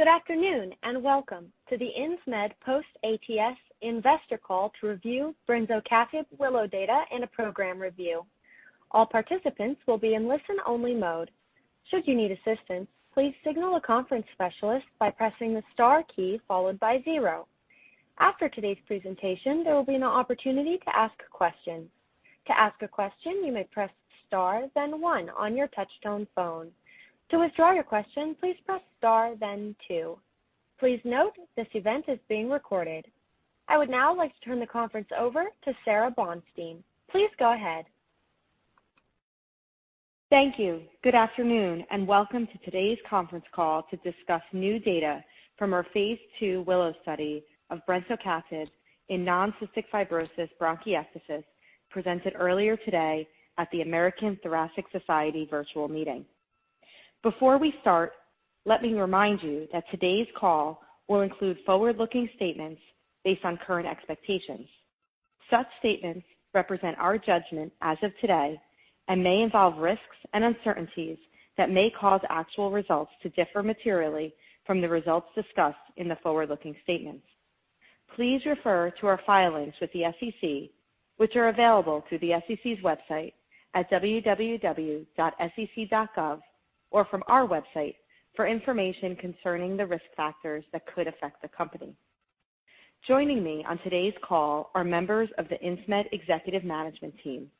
Good afternoon, welcome to the Insmed post ATS investor call to review brensocatib WILLOW data and a program review. All participants will be in listen only mode. Should you need assistance, please signal a conference specialist by pressing the star key followed by zero. After today's presentation, there will be an opportunity to ask questions. To ask a question, you may press star then one on your touchtone phone. To withdraw your question, please press star then two. Please note, this event is being recorded. I would now like to turn the conference over to Sara Bonstein. Please go ahead. Thank you. Good afternoon, welcome to today's conference call to discuss new data from our phase II WILLOW study of brensocatib in non-cystic fibrosis bronchiectasis, presented earlier today at the American Thoracic Society virtual meeting. Before we start, let me remind you that today's call will include forward-looking statements based on current expectations. Such statements represent our judgment as of today and may involve risks and uncertainties that may cause actual results to differ materially from the results discussed in the forward-looking statements. Please refer to our filings with the SEC, which are available through the sec.gov or from our website, for information concerning the risk factors that could affect the company. Joining me on today's call are members of the Insmed executive management team,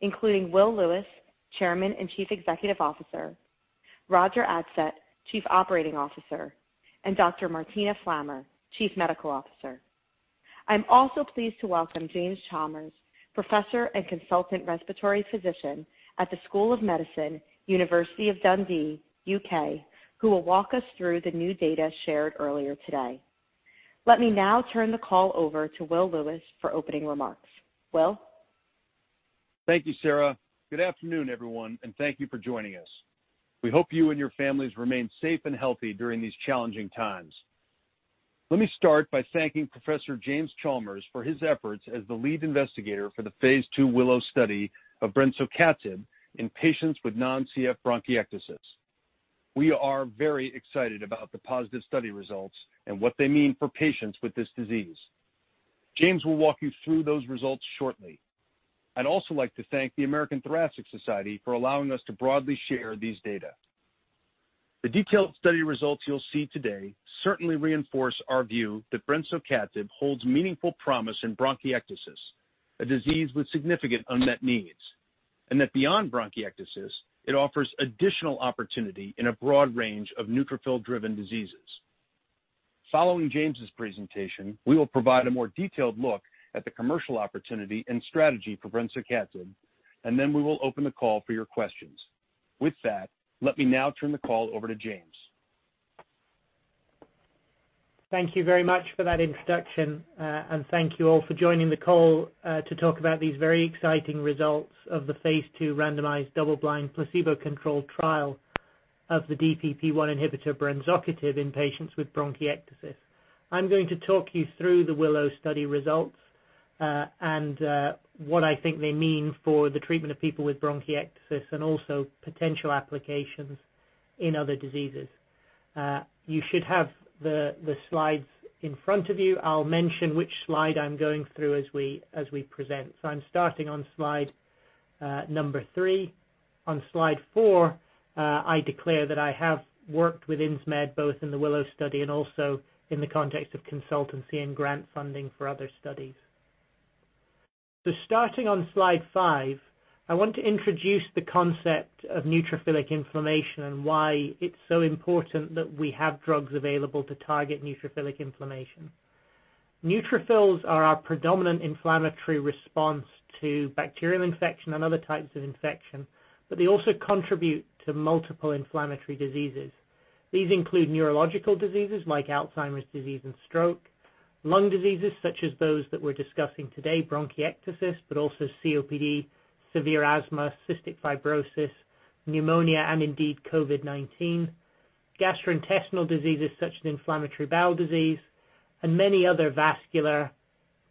including Will Lewis, Chairman and Chief Executive Officer, Roger Adsett, Chief Operating Officer, and Dr. Martina Flammer, Chief Medical Officer. I'm also pleased to welcome James Chalmers, Professor and Consultant Respiratory Physician at the School of Medicine, University of Dundee, U.K., who will walk us through the new data shared earlier today. Let me now turn the call over to Will Lewis for opening remarks. Will? Thank you, Sara. Good afternoon, everyone. Thank you for joining us. We hope you and your families remain safe and healthy during these challenging times. Let me start by thanking Professor James Chalmers for his efforts as the lead investigator for the phase II WILLOW study of brensocatib in patients with non-CF bronchiectasis. We are very excited about the positive study results and what they mean for patients with this disease. James will walk you through those results shortly. I'd also like to thank the American Thoracic Society for allowing us to broadly share these data. The detailed study results you'll see today certainly reinforce our view that brensocatib holds meaningful promise in bronchiectasis, a disease with significant unmet needs. That beyond bronchiectasis, it offers additional opportunity in a broad range of neutrophil-driven diseases. Following James' presentation, we will provide a more detailed look at the commercial opportunity and strategy for brensocatib. Then we will open the call for your questions. With that, let me now turn the call over to James. Thank you very much for that introduction, thank you all for joining the call to talk about these very exciting results of the phase II randomized double-blind placebo-controlled trial of the DPP1 inhibitor brensocatib in patients with bronchiectasis. I'm going to talk you through the WILLOW study results, and what I think they mean for the treatment of people with bronchiectasis and also potential applications in other diseases. You should have the slides in front of you. I'll mention which slide I'm going through as we present. I'm starting on slide number three. On Slide four, I declare that I have worked with Insmed both in the WILLOW study and also in the context of consultancy and grant funding for other studies. Starting on Slide five, I want to introduce the concept of neutrophilic inflammation and why it's so important that we have drugs available to target neutrophilic inflammation. Neutrophils are our predominant inflammatory response to bacterial infection and other types of infection, but they also contribute to multiple inflammatory diseases. These include neurological diseases like Alzheimer's disease and stroke, lung diseases such as those that we're discussing today, bronchiectasis, but also COPD, severe asthma, cystic fibrosis, pneumonia, and indeed COVID-19. Gastrointestinal diseases such as inflammatory bowel disease, and many other vascular,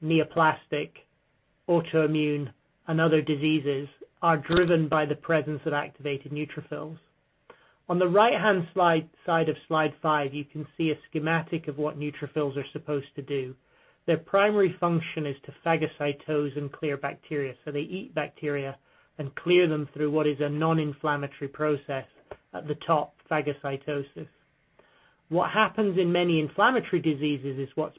neoplastic, autoimmune, and other diseases are driven by the presence of activated neutrophils. On the right-hand side of slide five, you can see a schematic of what neutrophils are supposed to do. Their primary function is to phagocytose and clear bacteria. They eat bacteria and clear them through what is a non-inflammatory process at the top, phagocytosis. What happens in many inflammatory diseases is what's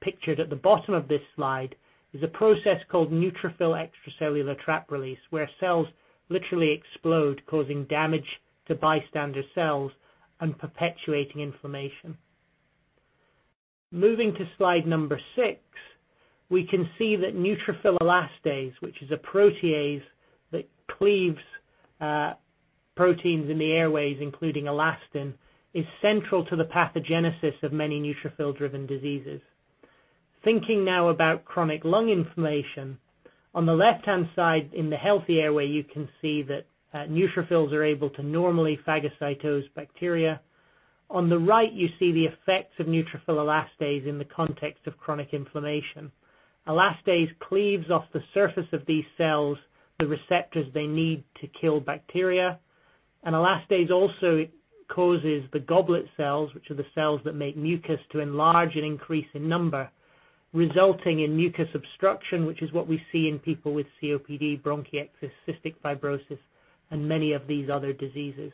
pictured at the bottom of this slide, is a process called neutrophil extracellular trap release, where cells literally explode, causing damage to bystander cells and perpetuating inflammation. Moving to slide number six, we can see that neutrophil elastase, which is a protease that cleaves proteins in the airways, including elastin, is central to the pathogenesis of many neutrophil-driven diseases. Thinking now about chronic lung inflammation, on the left-hand side in the healthy airway, you can see that neutrophils are able to normally phagocytose bacteria. On the right, you see the effects of neutrophil elastase in the context of chronic inflammation. Elastase cleaves off the surface of these cells, the receptors they need to kill bacteria. Elastase also causes the goblet cells, which are the cells that make mucus, to enlarge and increase in number, resulting in mucus obstruction, which is what we see in people with COPD, bronchiectasis, cystic fibrosis, and many of these other diseases.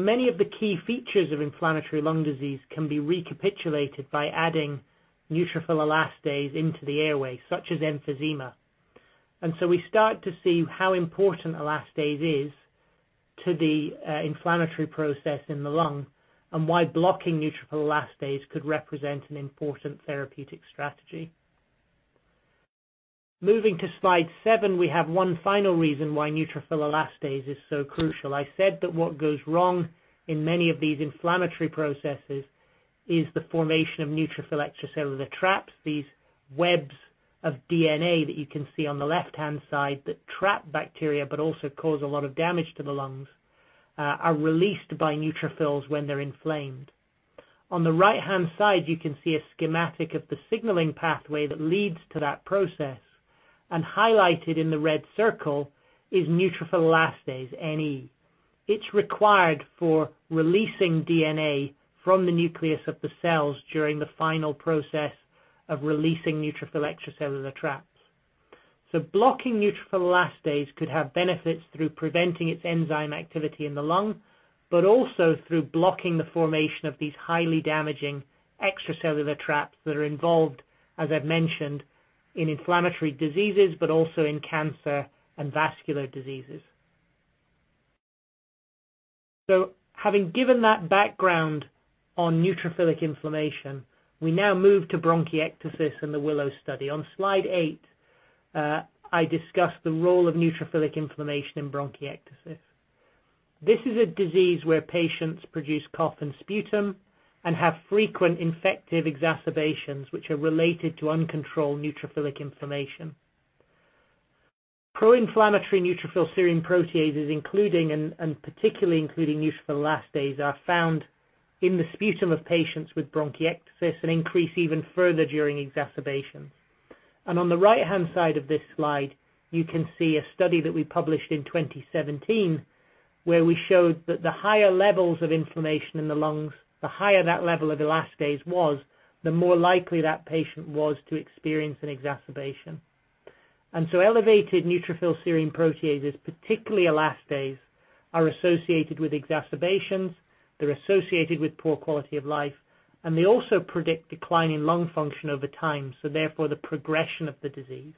Many of the key features of inflammatory lung disease can be recapitulated by adding neutrophil elastase into the airway, such as emphysema. We start to see how important elastase is to the inflammatory process in the lung, and why blocking neutrophil elastase could represent an important therapeutic strategy. Moving to Slide seven, we have one final reason why neutrophil elastase is so crucial. I said that what goes wrong in many of these inflammatory processes is the formation of neutrophil extracellular traps. These webs of DNA that you can see on the left-hand side that trap bacteria, but also cause a lot of damage to the lungs, are released by neutrophils when they're inflamed. On the right-hand side, you can see a schematic of the signaling pathway that leads to that process, and highlighted in the red circle is neutrophil elastase, NE. It's required for releasing DNA from the nucleus of the cells during the final process of releasing neutrophil extracellular traps. Blocking neutrophil elastase could have benefits through preventing its enzyme activity in the lung, but also through blocking the formation of these highly damaging extracellular traps that are involved, as I've mentioned, in inflammatory diseases, but also in cancer and vascular diseases. Having given that background on neutrophilic inflammation, we now move to bronchiectasis and the WILLOW study. On Slide eight, I discuss the role of neutrophilic inflammation in bronchiectasis. This is a disease where patients produce cough and sputum and have frequent infective exacerbations which are related to uncontrolled neutrophilic inflammation. Pro-inflammatory neutrophil serine proteases, including, and particularly including neutrophil elastase, are found in the sputum of patients with bronchiectasis and increase even further during exacerbations. On the right-hand side of this slide, you can see a study that we published in 2017 where we showed that the higher levels of inflammation in the lungs, the higher that level of elastase was, the more likely that patient was to experience an exacerbation. Elevated neutrophil serine proteases, particularly elastase, are associated with exacerbations, they're associated with poor quality of life, and they also predict decline in lung function over time, so therefore the progression of the disease.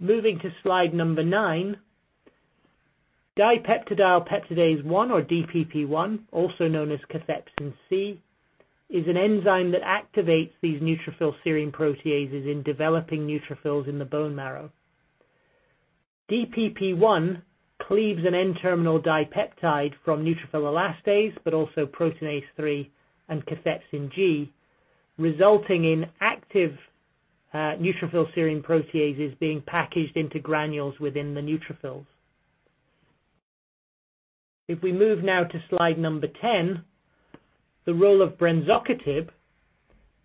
Moving to slide number nine, dipeptidyl peptidase-1 or DPP1, also known as cathepsin C, is an enzyme that activates these neutrophil serine proteases in developing neutrophils in the bone marrow. DPP1 cleaves an N-terminal dipeptide from neutrophil elastase, but also proteinase 3 and cathepsin G, resulting in active neutrophil serine proteases being packaged into granules within the neutrophils. If we move now to slide number 10, the role of brensocatib,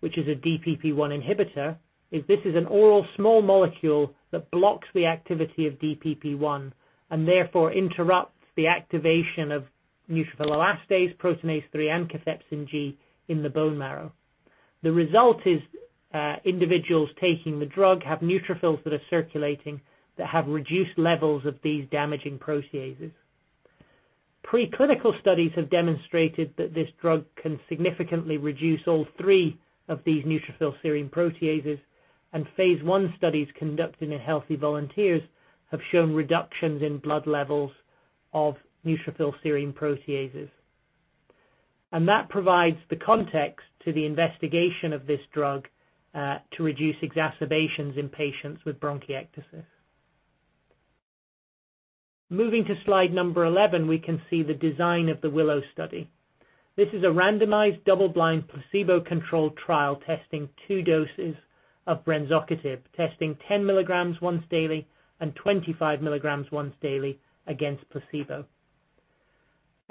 which is a DPP1 inhibitor, is this is an oral small molecule that blocks the activity of DPP1 and therefore interrupts the activation of neutrophil elastase, proteinase 3, and cathepsin G in the bone marrow. The result is individuals taking the drug have neutrophils that are circulating that have reduced levels of these damaging proteases. Preclinical studies have demonstrated that this drug can significantly reduce all three of these neutrophil serine proteases. Phase I studies conducted in healthy volunteers have shown reductions in blood levels of neutrophil serine proteases. That provides the context to the investigation of this drug, to reduce exacerbations in patients with bronchiectasis. Moving to Slide 11, we can see the design of the WILLOW study. This is a randomized, double-blind, placebo-controlled trial testing two doses of brensocatib, testing 10 mg once daily and 25 mg once daily against placebo.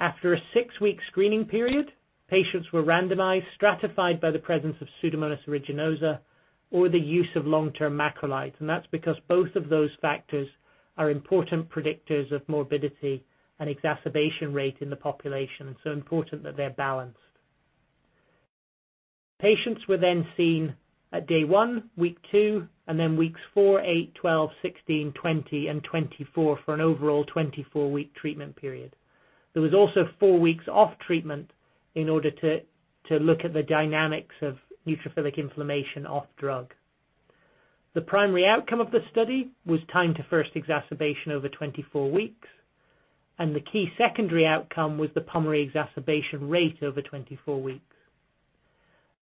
After a six-week screening period, patients were randomized, stratified by the presence of Pseudomonas aeruginosa or the use of long-term macrolides. That's because both of those factors are important predictors of morbidity and exacerbation rate in the population, so important that they're balanced. Patients were seen at day one, week two, and then weeks four, eight, 12, 16, 20, and 24 for an overall 24-week treatment period. There was also four weeks off treatment in order to look at the dynamics of neutrophilic inflammation off drug. The primary outcome of the study was time to first exacerbation over 24 weeks, and the key secondary outcome was the pulmonary exacerbation rate over 24 weeks.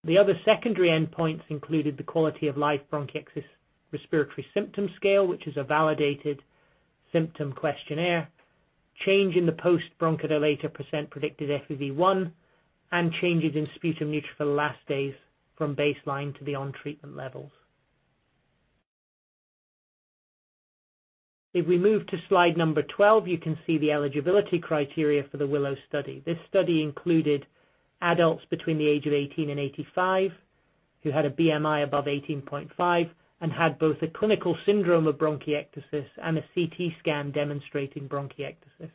The other secondary endpoints included the Quality of Life Bronchiectasis Respiratory Symptom Scale, which is a validated symptom questionnaire, change in the post bronchodilator percent predicted FEV1, and changes in sputum neutrophil elastase from baseline to the on-treatment levels. If we move to slide number 12, you can see the eligibility criteria for the WILLOW study. This study included adults between the age of 18 and 85 who had a BMI above 18.5 and had both a clinical syndrome of bronchiectasis and a CT scan demonstrating bronchiectasis.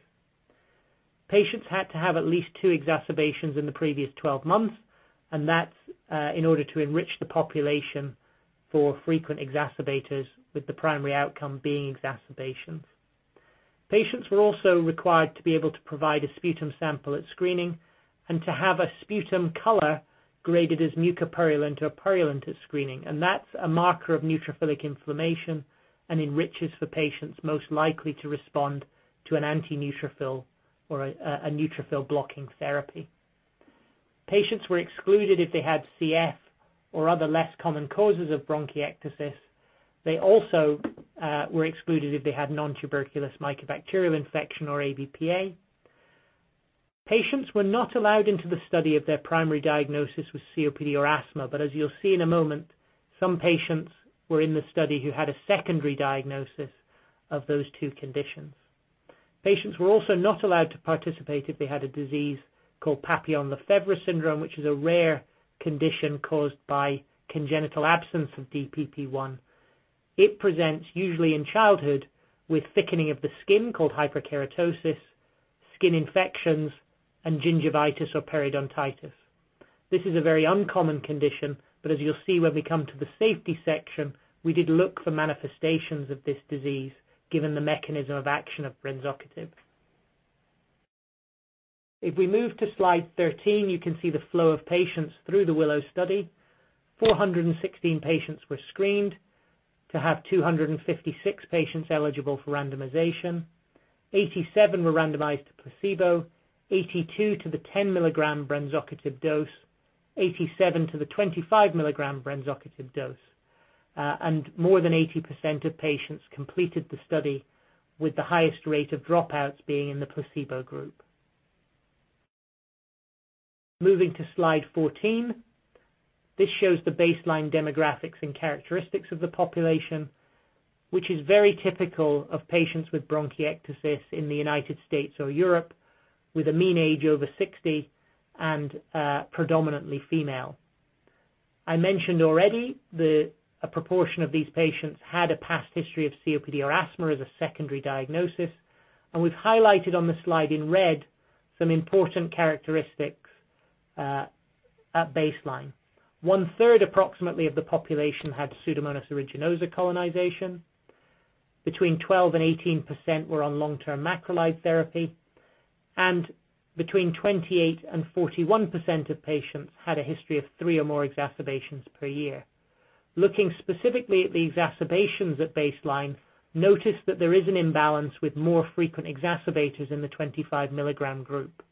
Patients had to have at least two exacerbations in the previous 12 months, That's in order to enrich the population for frequent exacerbators with the primary outcome being exacerbations. Patients were also required to be able to provide a sputum sample at screening and to have a sputum color graded as mucopurulent or purulent at screening. That's a marker of neutrophilic inflammation and enriches for patients most likely to respond to an anti-neutrophil or a neutrophil-blocking therapy. Patients were excluded if they had CF or other less common causes of bronchiectasis. They also were excluded if they had nontuberculous mycobacterial infection or ABPA. Patients were not allowed into the study if their primary diagnosis was COPD or asthma, but as you'll see in a moment, some patients were in the study who had a secondary diagnosis of those two conditions. Patients were also not allowed to participate if they had a disease called Papillon-Lefèvre syndrome, which is a rare condition caused by congenital absence of DPP1. It presents usually in childhood with thickening of the skin called hyperkeratosis, skin infections, and gingivitis or periodontitis. This is a very uncommon condition, but as you'll see when we come to the safety section, we did look for manifestations of this disease, given the mechanism of action of brensocatib. If we move to Slide 13, you can see the flow of patients through the WILLOW study. 416 patients were screened to have 256 patients eligible for randomization. 87 were randomized to placebo, 82 to the 10-milligram brensocatib dose, 87 to the 25 mg brensocatib dose. More than 80% of patients completed the study with the highest rate of dropouts being in the placebo group. Moving to Slide 14, this shows the baseline demographics and characteristics of the population, which is very typical of patients with bronchiectasis in the United States or Europe, with a mean age over 60 and predominantly female. I mentioned already that a proportion of these patients had a past history of COPD or asthma as a secondary diagnosis, and we've highlighted on the slide in red some important characteristics at baseline. One-third, approximately, of the population had Pseudomonas aeruginosa colonization. Between 12%-18% were on long-term macrolide therapy, and between 28%-41% of patients had a history of three or more exacerbations per year. Looking specifically at the exacerbations at baseline, notice that there is an imbalance with more frequent exacerbators in the 25 mg group.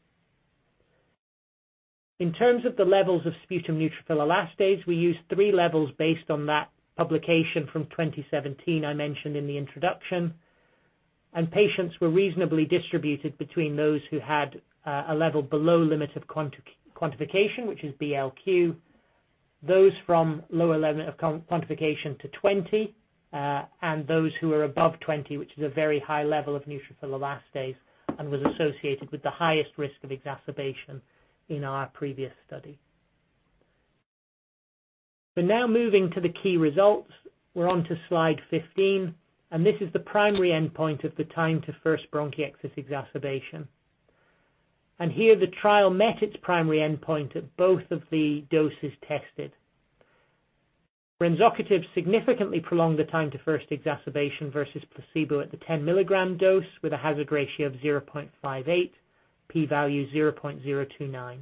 In terms of the levels of sputum neutrophil elastase, we used 3 levels based on that publication from 2017 I mentioned in the introduction, and patients were reasonably distributed between those who had a level below limit of quantification, which is BLQ, those from low level of quantification to 20, and those who are above 20, which is a very high level of neutrophil elastase and was associated with the highest risk of exacerbation in our previous study. We're now moving to the key results. We're on to Slide 15, and this is the primary endpoint of the time to first bronchiectasis exacerbation. Here, the trial met its primary endpoint at both of the doses tested. Brensocatib significantly prolonged the time to first exacerbation versus placebo at the 10 mg dose with a hazard ratio of 0.58, p-value 0.029.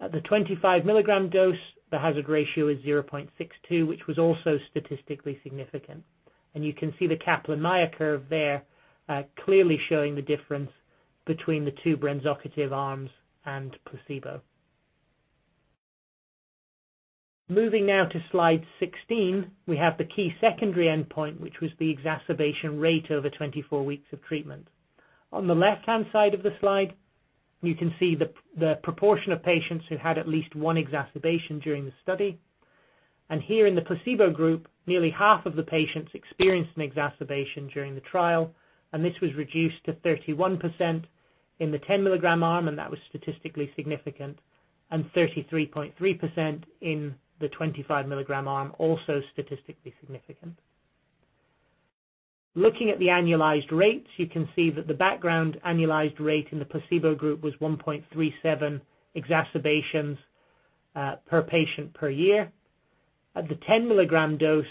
At the 25 mg dose, the hazard ratio is 0.62, which was also statistically significant. You can see the Kaplan-Meier curve there, clearly showing the difference between the two brensocatib arms and placebo. Moving now to Slide 16, we have the key secondary endpoint, which was the exacerbation rate over 24 weeks of treatment. On the left-hand side of the slide, you can see the proportion of patients who had at least one exacerbation during the study. Here in the placebo group, nearly half of the patients experienced an exacerbation during the trial, and this was reduced to 31% in the 10 mg arm, and that was statistically significant, and 33.3% in the 25 mg arm, also statistically significant. Looking at the annualized rates, you can see that the background annualized rate in the placebo group was 1.37 exacerbations per patient per year. At the 10 mg dose,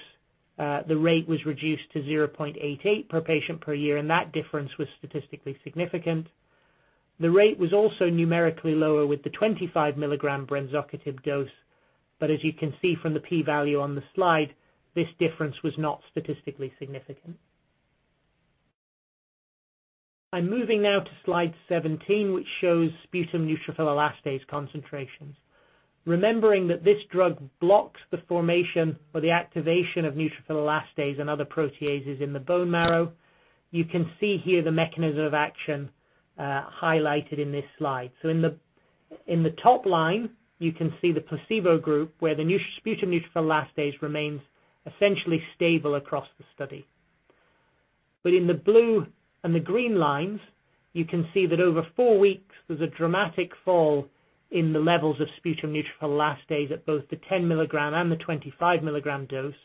the rate was reduced to 0.88 per patient per year, and that difference was statistically significant. The rate was also numerically lower with the 25 mg brensocatib dose, as you can see from the p-value on the slide, this difference was not statistically significant. I'm moving now to Slide 17, which shows sputum neutrophil elastase concentrations. Remembering that this drug blocks the formation or the activation of neutrophil elastase and other proteases in the bone marrow, you can see here the mechanism of action highlighted in this slide. In the top line, you can see the placebo group, where the sputum neutrophil elastase remains essentially stable across the study. In the blue and the green lines, you can see that over four weeks, there's a dramatic fall in the levels of sputum neutrophil elastase at both the 10 mg and the 25 mg dose,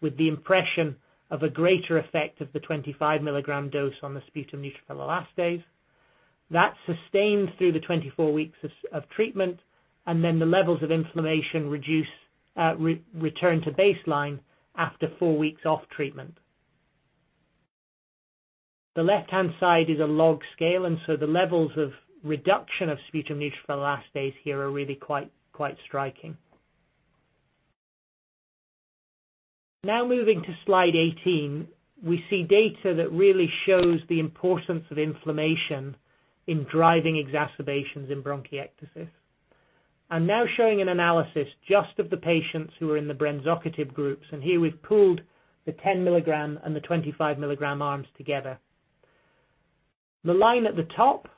with the impression of a greater effect of the 25 mg dose on the sputum neutrophil elastase. That sustains through the 24 weeks of treatment, and then the levels of inflammation return to baseline after four weeks off treatment. The left-hand side is a log scale, and so the levels of reduction of sputum neutrophil elastase here are really quite striking. Moving to Slide 18, we see data that really shows the importance of inflammation in driving exacerbations in bronchiectasis. I'm now showing an analysis just of the patients who are in the brensocatib groups, and here we've pooled the 10 mg and the 25 mg arms together. The line at the top,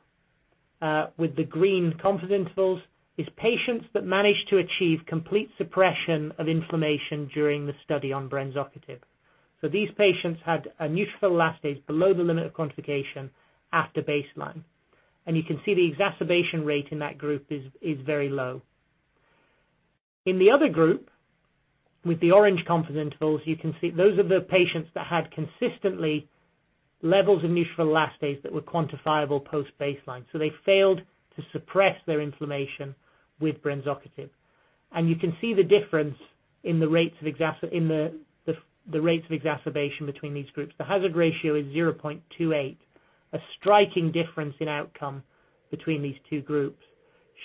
with the green confidence intervals, is patients that managed to achieve complete suppression of inflammation during the study on brensocatib. These patients had a neutrophil elastase below the limit of quantification after baseline. You can see the exacerbation rate in that group is very low. In the other group, with the orange confidence intervals, you can see those are the patients that had consistently levels of neutrophil elastase that were quantifiable post-baseline. They failed to suppress their inflammation with brensocatib. You can see the difference in the rates of exacerbation between these groups. The hazard ratio is 0.28, a striking difference in outcome between these two groups,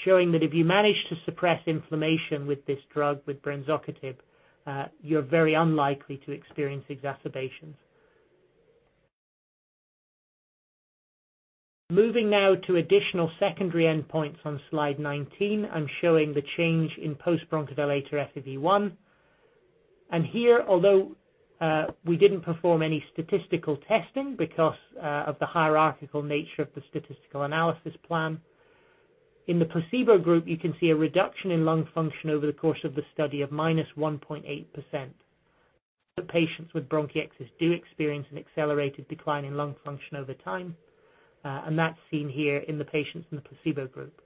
showing that if you manage to suppress inflammation with this drug, with brensocatib, you're very unlikely to experience exacerbations. Moving now to additional secondary endpoints on Slide 19, I'm showing the change in post-bronchodilator FEV1. Here, although we didn't perform any statistical testing because of the hierarchical nature of the statistical analysis plan, in the placebo group, you can see a reduction in lung function over the course of the study of -1.8%. The patients with bronchiectasis do experience an accelerated decline in lung function over time, and that's seen here in the patients in the placebo group.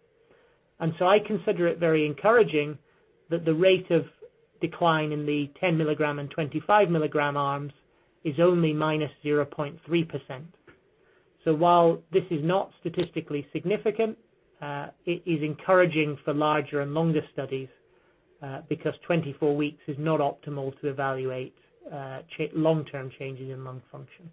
I consider it very encouraging that the rate of decline in the 10 mg and 25 mg arms is only -0.3%. While this is not statistically significant, it is encouraging for larger and longer studies, because 24 weeks is not optimal to evaluate long-term changes in lung function.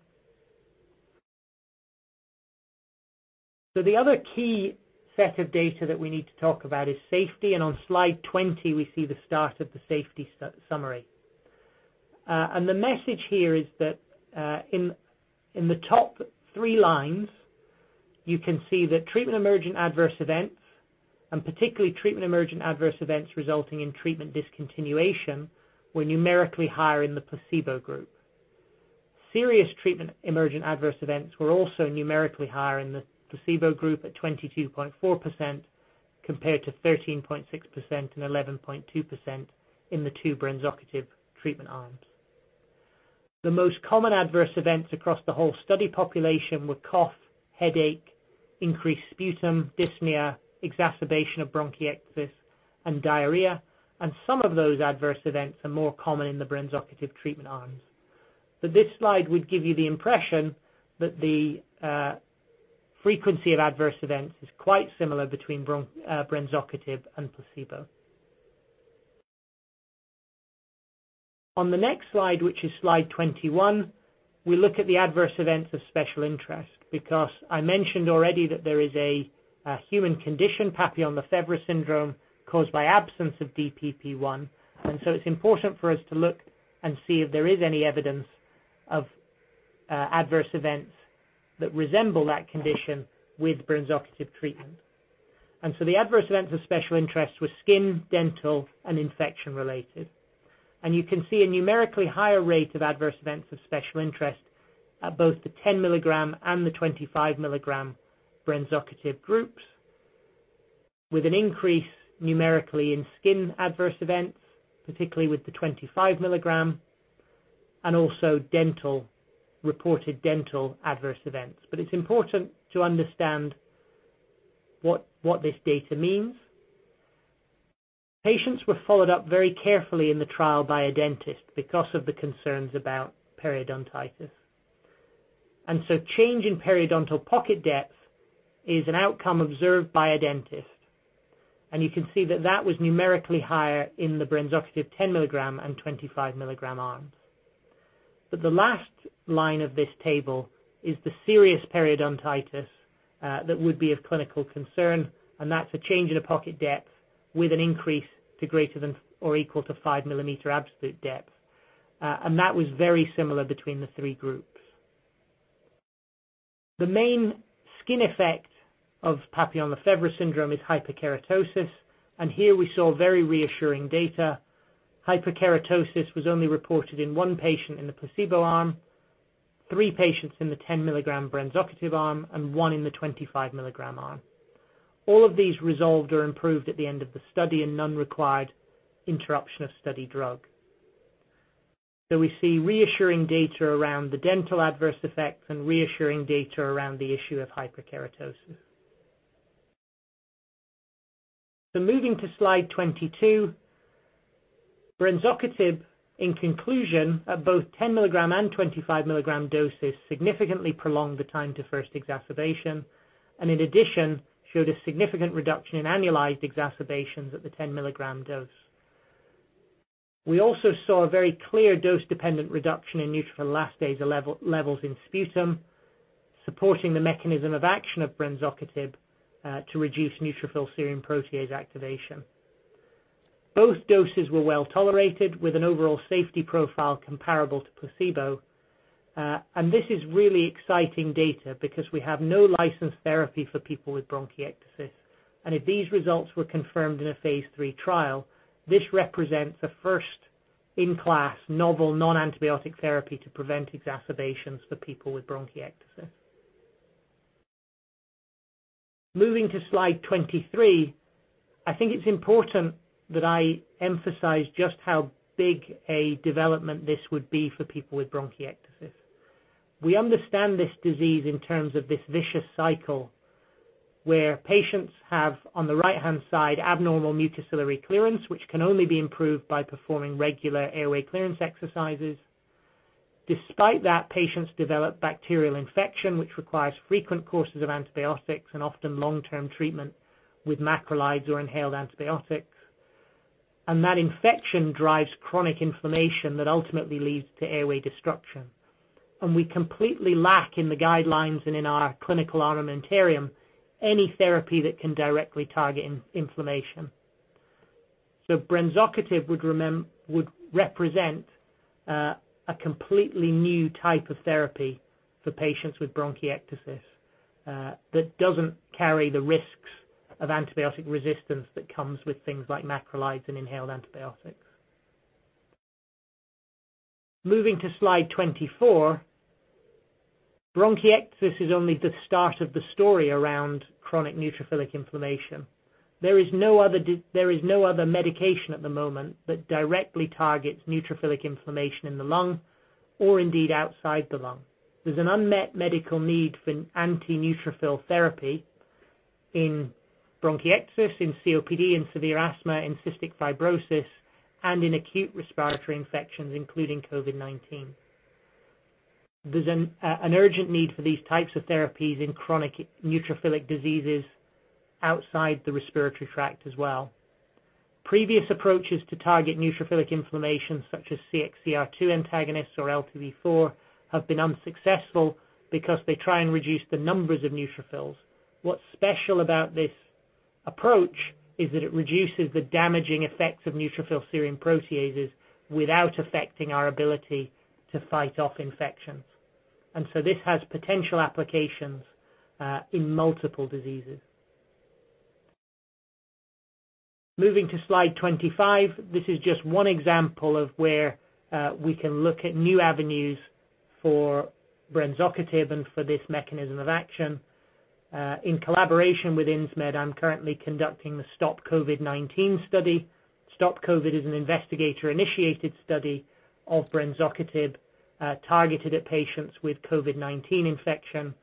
The other key set of data that we need to talk about is safety, and on Slide 20, we see the start of the safety summary. The message here is that in the top three lines, you can see that treatment-emergent adverse events, and particularly treatment-emergent adverse events resulting in treatment discontinuation, were numerically higher in the placebo group. Serious treatment-emergent adverse events were also numerically higher in the placebo group at 22.4%, compared to 13.6% and 11.2% in the two brensocatib treatment arms. The most common adverse events across the whole study population were cough, headache, increased sputum, dyspnea, exacerbation of bronchiectasis, and diarrhea, and some of those adverse events are more common in the brensocatib treatment arms. This slide would give you the impression that the frequency of adverse events is quite similar between brensocatib and placebo. On the next slide, which is Slide 21, we look at the adverse events of special interest, because I mentioned already that there is a human condition, Papillon-Lefèvre syndrome, caused by absence of DPP1. It's important for us to look and see if there is any evidence of adverse events that resemble that condition with brensocatib treatment. The adverse events of special interest were skin, dental, and infection-related. You can see a numerically higher rate of adverse events of special interest at both the 10 mg and the 25 mg brensocatib groups, with an increase numerically in skin adverse events, particularly with the 25 mg, and also dental, reported dental adverse events. It's important to understand what this data means. Patients were followed up very carefully in the trial by a dentist because of the concerns about periodontitis. Change in periodontal pocket depth is an outcome observed by a dentist, and you can see that that was numerically higher in the brensocatib 10 mg and 25 mg arms. The last line of this table is the serious periodontitis that would be of clinical concern, and that's a change in the pocket depth with an increase to greater than or equal to five-millimeter absolute depth. That was very similar between the three groups. The main skin effect of Papillon-Lefèvre syndrome is hyperkeratosis, and here we saw very reassuring data. Hyperkeratosis was only reported in one patient in the placebo arm. Three patients in the 10 mg brensocatib arm, and one in the 25 mg arm. All of these resolved or improved at the end of the study, and none required interruption of study drug. We see reassuring data around the dental adverse effects and reassuring data around the issue of hyperkeratosis. Moving to Slide 22, brensocatib, in conclusion, at both 10 mg and 25 mg doses significantly prolonged the time to first exacerbation, and in addition, showed a significant reduction in annualized exacerbations at the 10 mg dose. We also saw a very clear dose-dependent reduction in neutrophil elastase levels in sputum, supporting the mechanism of action of brensocatib to reduce neutrophil serine protease activation. Both doses were well-tolerated with an overall safety profile comparable to placebo, this is really exciting data because we have no licensed therapy for people with bronchiectasis. If these results were confirmed in a phase III trial, this represents a first-in-class novel non-antibiotic therapy to prevent exacerbations for people with bronchiectasis. Moving to Slide 23, I think it's important that I emphasize just how big a development this would be for people with bronchiectasis. We understand this disease in terms of this vicious cycle, where patients have, on the right-hand side, abnormal mucociliary clearance, which can only be improved by performing regular airway clearance exercises. Despite that, patients develop bacterial infection, which requires frequent courses of antibiotics and often long-term treatment with macrolides or inhaled antibiotics. That infection drives chronic inflammation that ultimately leads to airway destruction. We completely lack in the guidelines and in our clinical armamentarium, any therapy that can directly target inflammation. brensocatib would represent a completely new type of therapy for patients with bronchiectasis, that doesn't carry the risks of antibiotic resistance that comes with things like macrolides and inhaled antibiotics. Moving to Slide 24, bronchiectasis is only the start of the story around chronic neutrophilic inflammation. There is no other medication at the moment that directly targets neutrophilic inflammation in the lung or indeed outside the lung. There's an unmet medical need for anti-neutrophil therapy in bronchiectasis, in COPD, in severe asthma, in cystic fibrosis, and in acute respiratory infections, including COVID-19. There's an urgent need for these types of therapies in chronic neutrophilic diseases outside the respiratory tract as well. Previous approaches to target neutrophilic inflammation, such as CXCR2 antagonists or LTB4, have been unsuccessful because they try and reduce the numbers of neutrophils. What's special about this approach is that it reduces the damaging effects of neutrophil serine proteases without affecting our ability to fight off infections. This has potential applications in multiple diseases. Moving to Slide 25, this is just one example of where we can look at new avenues for brensocatib and for this mechanism of action. In collaboration with Insmed, I'm currently conducting the STOP-COVID19 study. STOP-COVID19 is an investigator-initiated study of brensocatib, targeted at patients with COVID-19 infection.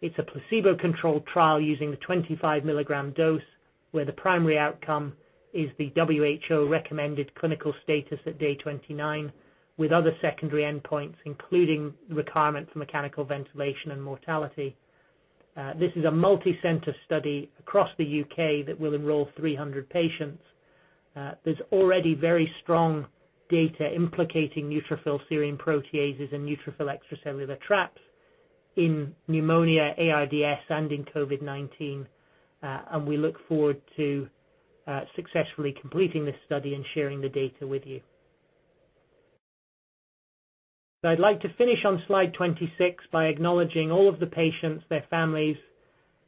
It's a placebo-controlled trial using the 25 mg dose, where the primary outcome is the WHO recommended clinical status at day 29, with other secondary endpoints, including requirement for mechanical ventilation and mortality. This is a multi-center study across the U.K. that will enroll 300 patients. There's already very strong data implicating neutrophil serine proteases and neutrophil extracellular traps in pneumonia, ARDS, and in COVID-19. We look forward to successfully completing this study and sharing the data with you. I'd like to finish on Slide 26 by acknowledging all of the patients, their families,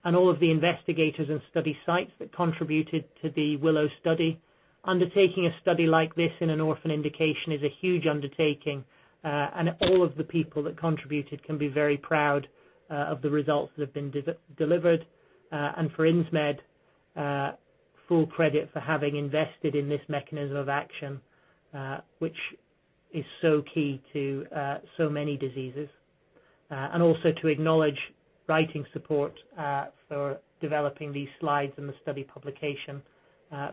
and all of the investigators and study sites that contributed to the WILLOW study. Undertaking a study like this in an orphan indication is a huge undertaking, and all of the people that contributed can be very proud of the results that have been delivered. For Insmed, full credit for having invested in this mechanism of action, which is so key to so many diseases. Also to acknowledge writing support for developing these slides and the study publication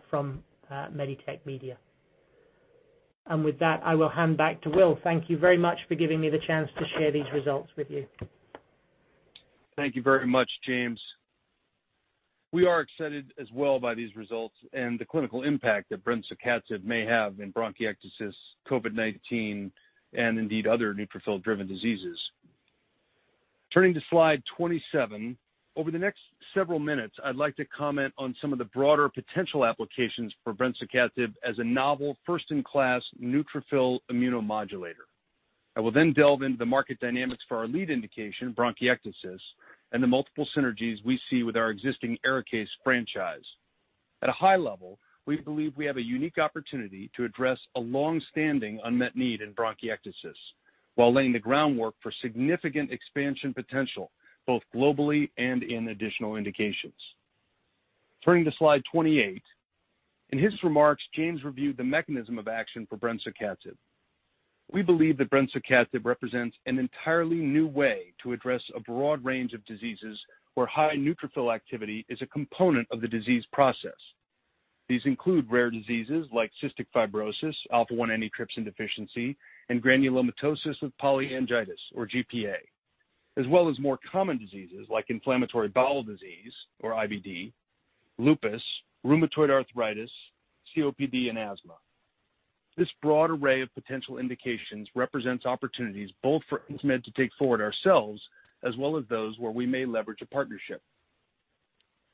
from MediTech Media. With that, I will hand back to Will. Thank you very much for giving me the chance to share these results with you. Thank you very much, James. We are excited as well by these results and the clinical impact that brensocatib may have in bronchiectasis, COVID-19, and indeed other neutrophil-driven diseases. Turning to Slide 27, over the next several minutes, I'd like to comment on some of the broader potential applications for brensocatib as a novel first-in-class neutrophil immunomodulator. I will then delve into the market dynamics for our lead indication, bronchiectasis, and the multiple synergies we see with our existing ARIKAYCE franchise. At a high level, we believe we have a unique opportunity to address a longstanding unmet need in bronchiectasis while laying the groundwork for significant expansion potential, both globally and in additional indications. Turning to Slide 28. In his remarks, James reviewed the mechanism of action for brensocatib. We believe that brensocatib represents an entirely new way to address a broad range of diseases where high neutrophil activity is a component of the disease process. These include rare diseases like cystic fibrosis, alpha-1 antitrypsin deficiency, and granulomatosis with polyangiitis, or GPA, as well as more common diseases like inflammatory bowel disease, or IBD, lupus, rheumatoid arthritis, COPD, and asthma. This broad array of potential indications represents opportunities both for Insmed to take forward ourselves, as well as those where we may leverage a partnership.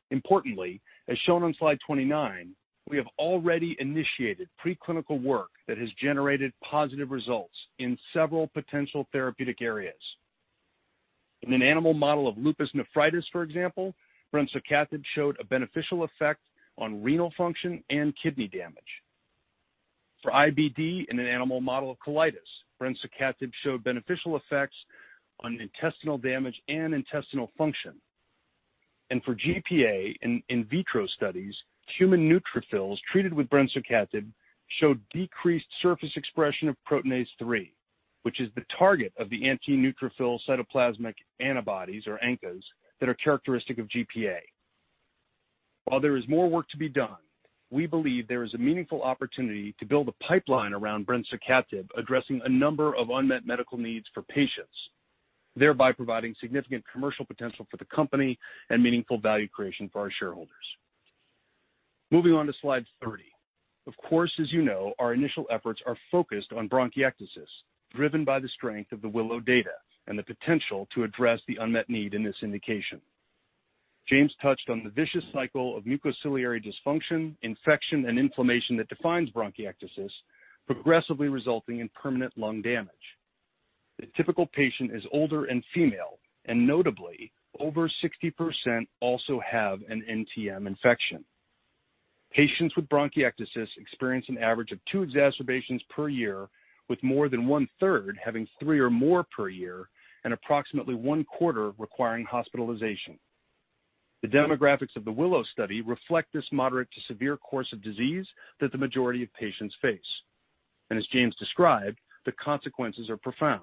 Importantly, as shown on Slide 29, we have already initiated preclinical work that has generated positive results in several potential therapeutic areas. In an animal model of lupus nephritis, for example, brensocatib showed a beneficial effect on renal function and kidney damage. For IBD in an animal model of colitis, brensocatib showed beneficial effects on intestinal damage and intestinal function. For GPA in in vitro studies, human neutrophils treated with brensocatib showed decreased surface expression of proteinase 3, which is the target of the anti-neutrophil cytoplasmic antibodies, or ANCA, that are characteristic of GPA. While there is more work to be done, we believe there is a meaningful opportunity to build a pipeline around brensocatib addressing a number of unmet medical needs for patients, thereby providing significant commercial potential for the company and meaningful value creation for our shareholders. Moving on to Slide 30. Of course, as you know, our initial efforts are focused on bronchiectasis, driven by the strength of the WILLOW data and the potential to address the unmet need in this indication. James touched on the vicious cycle of mucociliary dysfunction, infection, and inflammation that defines bronchiectasis, progressively resulting in permanent lung damage. The typical patient is older and female, and notably, over 60% also have an NTM infection. Patients with bronchiectasis experience an average of two exacerbations per year, with more than one-third having three or more per year, and approximately one-quarter requiring hospitalization. The demographics of the WILLOW study reflect this moderate to severe course of disease that the majority of patients face. As James described, the consequences are profound.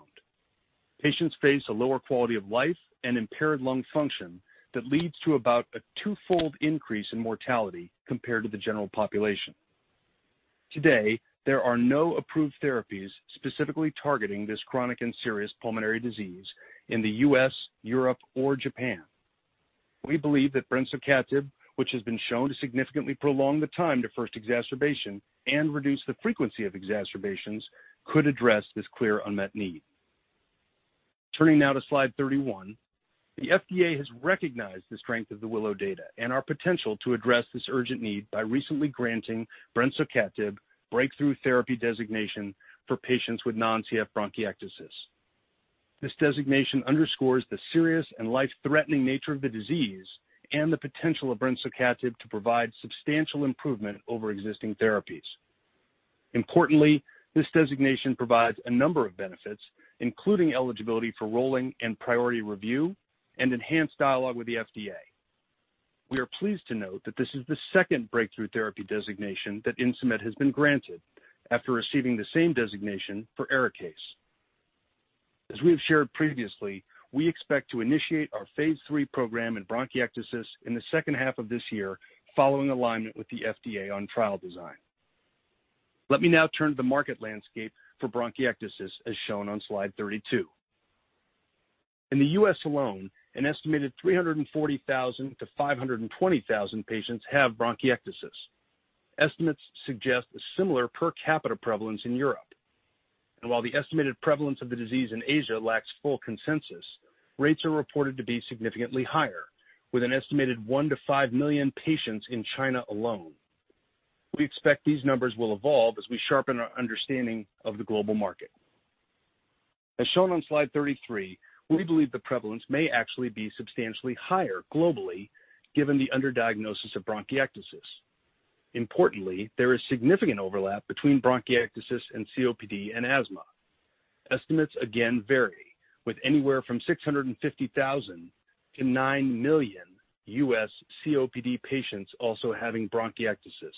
Patients face a lower quality of life and impaired lung function that leads to about a twofold increase in mortality compared to the general population. Today, there are no approved therapies specifically targeting this chronic and serious pulmonary disease in the U.S., Europe, or Japan. We believe that brensocatib, which has been shown to significantly prolong the time to first exacerbation and reduce the frequency of exacerbations, could address this clear unmet need. Turning now to Slide 31. The FDA has recognized the strength of the WILLOW data and our potential to address this urgent need by recently granting brensocatib Breakthrough Therapy designation for patients with non-CF bronchiectasis. This designation underscores the serious and life-threatening nature of the disease and the potential of brensocatib to provide substantial improvement over existing therapies. This designation provides a number of benefits, including eligibility for rolling and priority review and enhanced dialogue with the FDA. We are pleased to note that this is the second Breakthrough Therapy designation that Insmed has been granted after receiving the same designation for ARIKAYCE. As we have shared previously, we expect to initiate our phase III program in bronchiectasis in the second half of this year, following alignment with the FDA on trial design. Let me now turn to the market landscape for bronchiectasis, as shown on Slide 32. In the U.S. alone, an estimated 340,000-520,000 patients have bronchiectasis. Estimates suggest a similar per capita prevalence in Europe. While the estimated prevalence of the disease in Asia lacks full consensus, rates are reported to be significantly higher, with an estimated 1 million-5 million patients in China alone. We expect these numbers will evolve as we sharpen our understanding of the global market. As shown on Slide 33, we believe the prevalence may actually be substantially higher globally, given the under-diagnosis of bronchiectasis. Importantly, there is significant overlap between bronchiectasis and COPD and asthma. Estimates again vary, with anywhere from 650,000-9 million U.S. COPD patients also having bronchiectasis.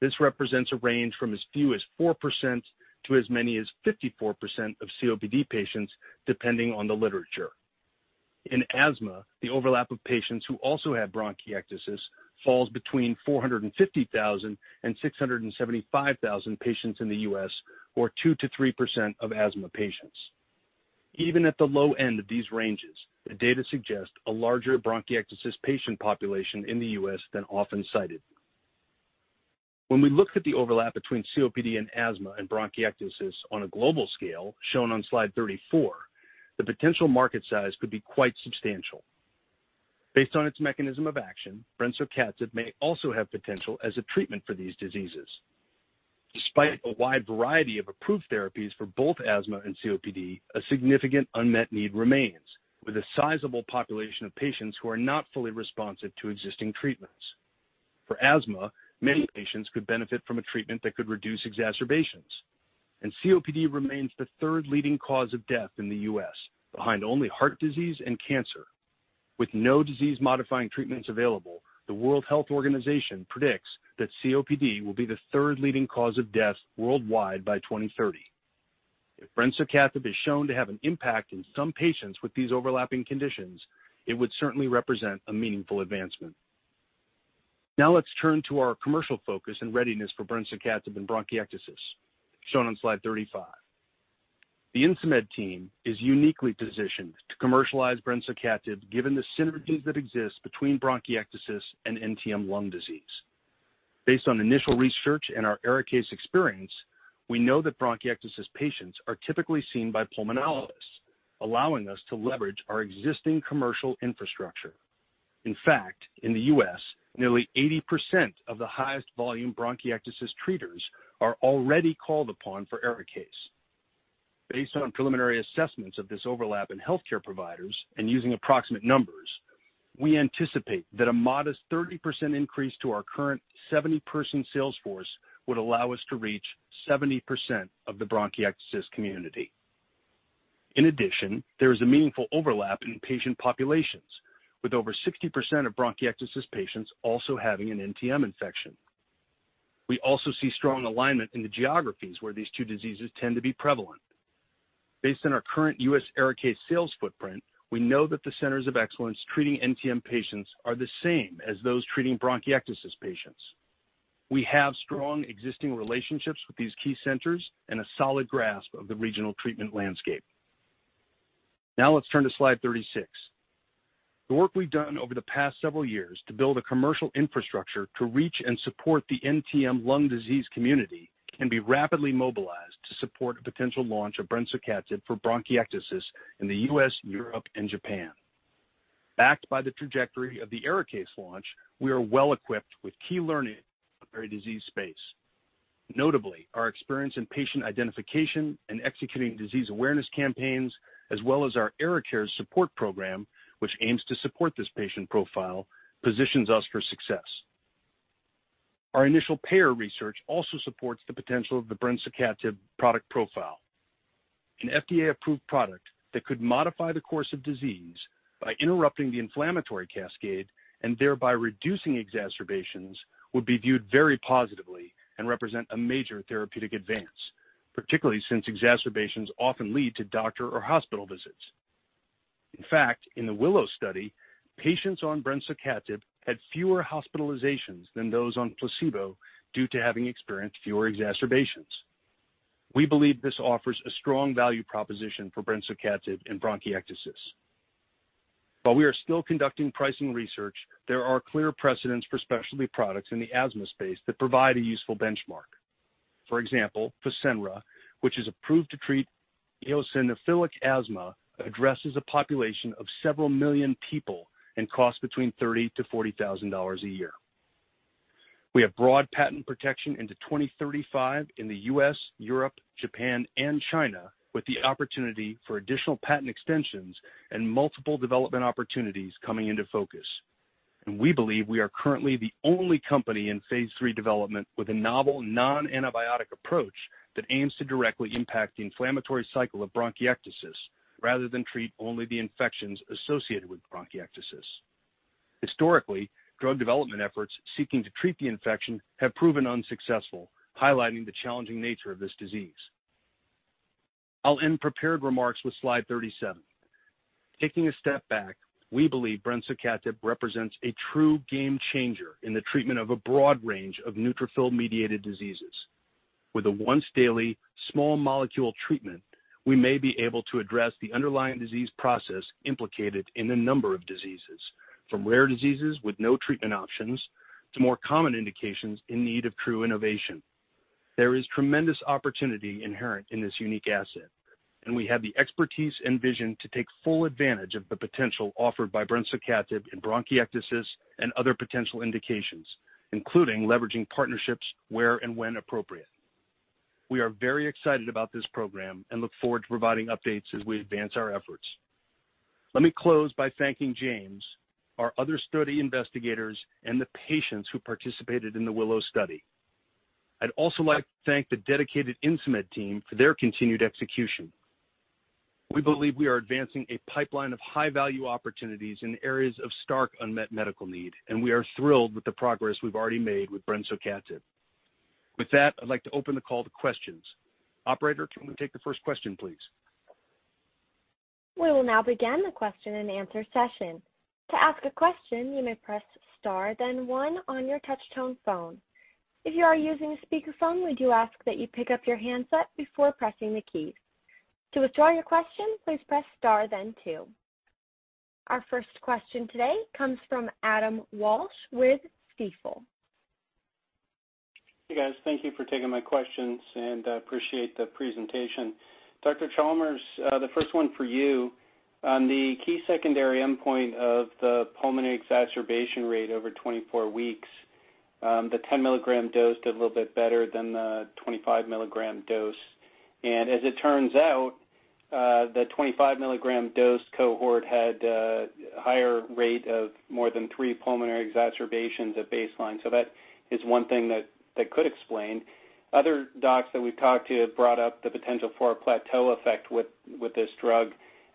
This represents a range from as few as 4%-54% of COPD patients, depending on the literature. In asthma, the overlap of patients who also have bronchiectasis falls between 450,000 and 675,000 patients in the U.S. or 2%-3% of asthma patients. Even at the low end of these ranges, the data suggest a larger bronchiectasis patient population in the U.S. than often cited. When we looked at the overlap between COPD and asthma and bronchiectasis on a global scale, shown on Slide 34, the potential market size could be quite substantial. Based on its mechanism of action, brensocatib may also have potential as a treatment for these diseases. Despite a wide variety of approved therapies for both asthma and COPD, a significant unmet need remains, with a sizable population of patients who are not fully responsive to existing treatments. For asthma, many patients could benefit from a treatment that could reduce exacerbations. COPD remains the third leading cause of death in the U.S., behind only heart disease and cancer. With no disease-modifying treatments available, the World Health Organization predicts that COPD will be the third leading cause of death worldwide by 2030. If brensocatib is shown to have an impact in some patients with these overlapping conditions, it would certainly represent a meaningful advancement. Now let's turn to our commercial focus and readiness for brensocatib and bronchiectasis, shown on Slide 35. The Insmed team is uniquely positioned to commercialize brensocatib given the synergies that exist between bronchiectasis and NTM lung disease. Based on initial research and our ARIKAYCE experience, we know that bronchiectasis patients are typically seen by pulmonologists, allowing us to leverage our existing commercial infrastructure. In fact, in the U.S., nearly 80% of the highest volume bronchiectasis treaters are already called upon for ARIKAYCE. Based on preliminary assessments of this overlap in healthcare providers and using approximate numbers, we anticipate that a modest 30% increase to our current 70-person sales force would allow us to reach 70% of the bronchiectasis community. In addition, there is a meaningful overlap in patient populations, with over 60% of bronchiectasis patients also having an NTM infection. We also see strong alignment in the geographies where these two diseases tend to be prevalent. Based on our current U.S. ARIKAYCE sales footprint, we know that the centers of excellence treating NTM patients are the same as those treating bronchiectasis patients. We have strong existing relationships with these key centers and a solid grasp of the regional treatment landscape. Now let's turn to Slide 36. The work we've done over the past several years to build a commercial infrastructure to reach and support the NTM lung disease community can be rapidly mobilized to support a potential launch of brensocatib for bronchiectasis in the U.S., Europe, and Japan. Backed by the trajectory of the ARIKAYCE launch, we are well-equipped with key learning from the disease space. Notably, our experience in patient identification and executing disease awareness campaigns, as well as our ARIKAYCE support program, which aims to support this patient profile, positions us for success. Our initial payer research also supports the potential of the brensocatib product profile. An FDA-approved product that could modify the course of disease by interrupting the inflammatory cascade and thereby reducing exacerbations would be viewed very positively and represent a major therapeutic advance, particularly since exacerbations often lead to doctor or hospital visits. In fact, in the WILLOW study, patients on brensocatib had fewer hospitalizations than those on placebo due to having experienced fewer exacerbations. We believe this offers a strong value proposition for brensocatib and bronchiectasis. While we are still conducting pricing research, there are clear precedents for specialty products in the asthma space that provide a useful benchmark. For example, FASENRA, which is approved to treat eosinophilic asthma, addresses a population of several million people and costs between $30,000-$40,000 a year. We have broad patent protection into 2035 in the U.S., Europe, Japan, and China, with the opportunity for additional patent extensions and multiple development opportunities coming into focus. We believe we are currently the only company in phase III development with a novel non-antibiotic approach that aims to directly impact the inflammatory cycle of bronchiectasis rather than treat only the infections associated with bronchiectasis. Historically, drug development efforts seeking to treat the infection have proven unsuccessful, highlighting the challenging nature of this disease. I'll end prepared remarks with Slide 37. Taking a step back, we believe brensocatib represents a true game changer in the treatment of a broad range of neutrophil-mediated diseases. With a once-daily, small molecule treatment, we may be able to address the underlying disease process implicated in a number of diseases, from rare diseases with no treatment options to more common indications in need of true innovation. There is tremendous opportunity inherent in this unique asset, and we have the expertise and vision to take full advantage of the potential offered by brensocatib in bronchiectasis and other potential indications, including leveraging partnerships where and when appropriate. We are very excited about this program and look forward to providing updates as we advance our efforts. Let me close by thanking James, our other study investigators, and the patients who participated in the WILLOW study. I'd also like to thank the dedicated Insmed team for their continued execution. We believe we are advancing a pipeline of high-value opportunities in areas of stark unmet medical need, and we are thrilled with the progress we've already made with brensocatib. With that, I'd like to open the call to questions. Operator, can we take the first question, please? We will now begin the question-and-answer session. To ask a question, you may press star, then one on your touch-tone phone. If you are using a speakerphone, we do ask that you pick up your handset before pressing the key. To withdraw your question, please press star, then two. Our first question today comes from Adam Walsh with Stifel. Hey, guys. Thank you for taking my questions and I appreciate the presentation. Dr. Chalmers, the first one for you. On the key secondary endpoint of the pulmonary exacerbation rate over 24 weeks, the 10 mg dose did a little bit better than the 25 mg dose. As it turns out, the 25 mg dose cohort had a higher rate of more than three pulmonary exacerbations at baseline. That is one thing that could explain. Other docs that we've talked to brought up the potential for a plateau effect with this drug.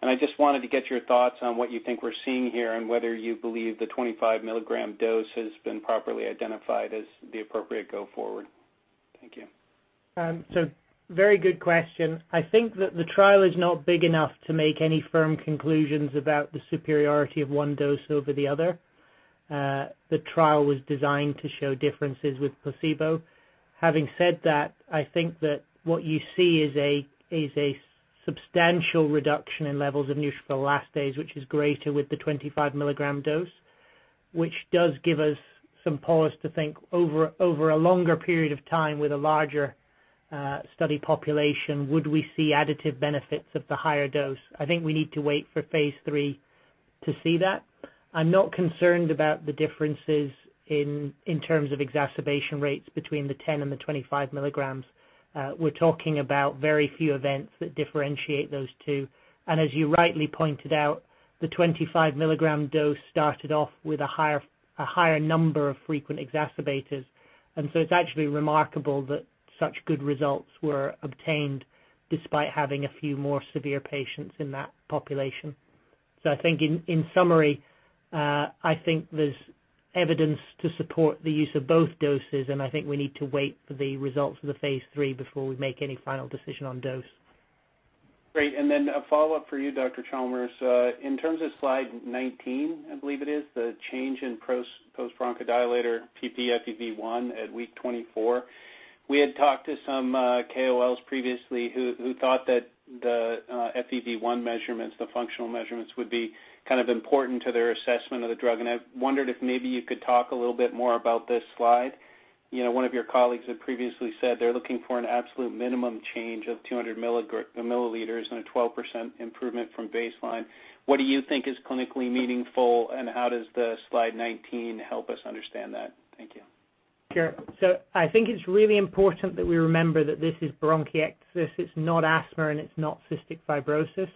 I just wanted to get your thoughts on what you think we're seeing here, and whether you believe the 25 mg dose has been properly identified as the appropriate go forward. Thank you. Very good question. I think that the trial is not big enough to make any firm conclusions about the superiority of one dose over the other. The trial was designed to show differences with placebo. Having said that, I think that what you see is a substantial reduction in levels of neutrophil elastase, which is greater with the 25 mg dose, which does give us some pause to think over a longer period of time with a larger study population, would we see additive benefits of the higher dose? I think we need to wait for phase III to see that. I'm not concerned about the differences in terms of exacerbation rates between the 10 mg and the 25 mg. We're talking about very few events that differentiate those two. As you rightly pointed out, the 25 mg dose started off with a higher number of frequent exacerbators. It's actually remarkable that such good results were obtained despite having a few more severe patients in that population. I think in summary, I think there's evidence to support the use of both doses, and I think we need to wait for the results of the phase III before we make any final decision on dose. Great. A follow-up for you, Dr. Chalmers. In terms of Slide 19, I believe it is, the change in post-bronchodilator ppFEV1 at week 24. We had talked to some KOLs previously who thought that the FEV1 measurements, the functional measurements, would be kind of important to their assessment of the drug. I wondered if maybe you could talk a little bit more about this slide. One of your colleagues had previously said they're looking for an absolute minimum change of 200 ml and a 12% improvement from baseline. What do you think is clinically meaningful, and how does the Slide 19 help us understand that? Thank you. Sure. I think it's really important that we remember that this is bronchiectasis, it's not asthma, and it's not cystic fibrosis.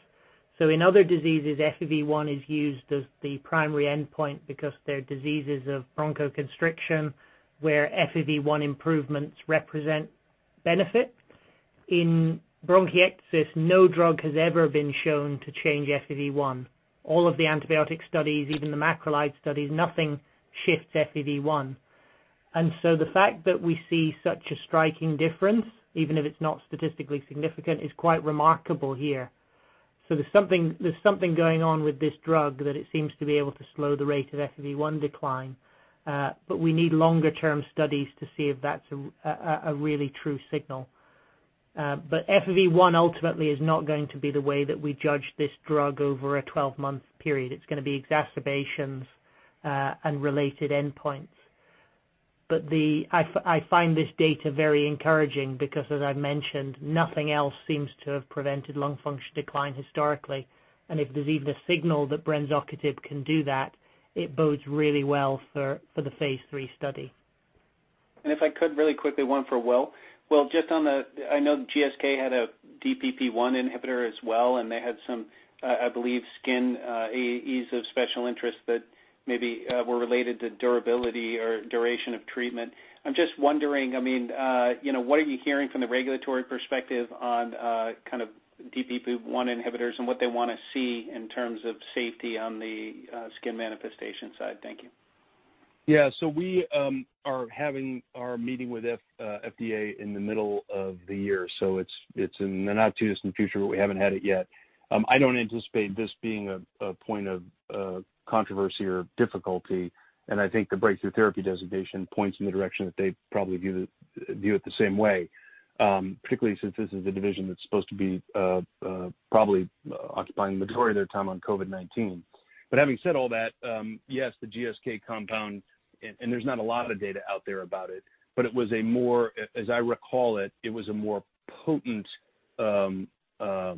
In other diseases, FEV1 is used as the primary endpoint because they're diseases of bronchoconstriction where FEV1 improvements represent benefit. In bronchiectasis, no drug has ever been shown to change FEV1. All of the antibiotic studies, even the macrolide studies, nothing shifts FEV1. The fact that we see such a striking difference, even if it's not statistically significant, is quite remarkable here. There's something going on with this drug that it seems to be able to slow the rate of FEV1 decline. We need longer-term studies to see if that's a really true signal. FEV1 ultimately is not going to be the way that we judge this drug over a 12-month period. It's going to be exacerbations, and related endpoints. I find this data very encouraging because, as I've mentioned, nothing else seems to have prevented lung function decline historically. If there's even a signal that brensocatib can do that, it bodes really well for the phase III study. If I could really quickly, one for Will. Will, I know GSK had a DPP1 inhibitor as well, and they had some, I believe, skin AEs of special interest that maybe were related to durability or duration of treatment. I'm just wondering, what are you hearing from the regulatory perspective on DPP1 inhibitors and what they want to see in terms of safety on the skin manifestation side? Thank you. Yeah. We are having our meeting with FDA in the middle of the year, so it's in the not-too-distant future, but we haven't had it yet. I don't anticipate this being a point of controversy or difficulty, and I think the Breakthrough Therapy designation points in the direction that they probably view it the same way, particularly since this is a division that's supposed to be probably occupying the majority of their time on COVID-19. Having said all that, yes, the GSK compound, and there's not a lot of data out there about it, but as I recall it was a more potent DPP1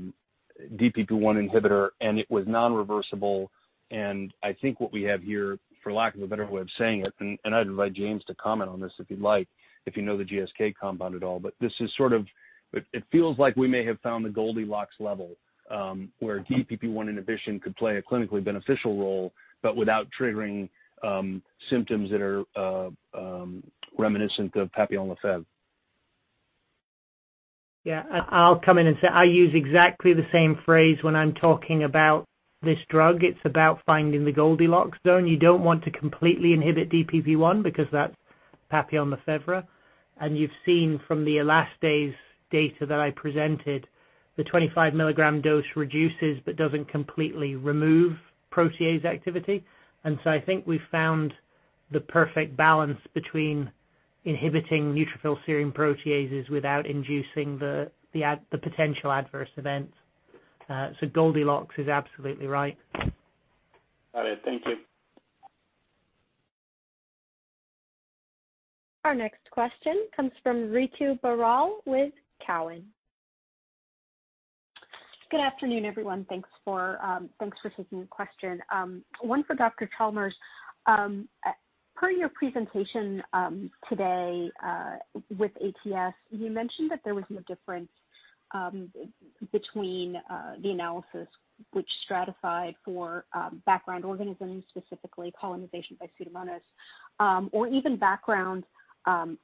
inhibitor, and it was non-reversible. I think what we have here, for lack of a better way of saying it, and I'd invite James to comment on this if you'd like, if you know the GSK compound at all, but it feels like we may have found the Goldilocks level, where DPP1 inhibition could play a clinically beneficial role, but without triggering symptoms that are reminiscent of Papillon-Lefèvre. Yeah, I'll come in and say I use exactly the same phrase when I'm talking about this drug. It's about finding the Goldilocks zone. You don't want to completely inhibit DPP1 because that's Papillon-Lefèvre. You've seen from the elastase data that I presented, the 25 mg dose reduces but doesn't completely remove protease activity. I think we've found the perfect balance between inhibiting neutrophil serine proteases without inducing the potential adverse events. Goldilocks is absolutely right. Got it. Thank you. Our next question comes from Ritu Baral with Cowen. Good afternoon, everyone. Thanks for taking the question. One for Dr. Chalmers. Per your presentation today with ATS, you mentioned that there was no difference between the analysis which stratified for background organisms, specifically colonization by Pseudomonas, or even background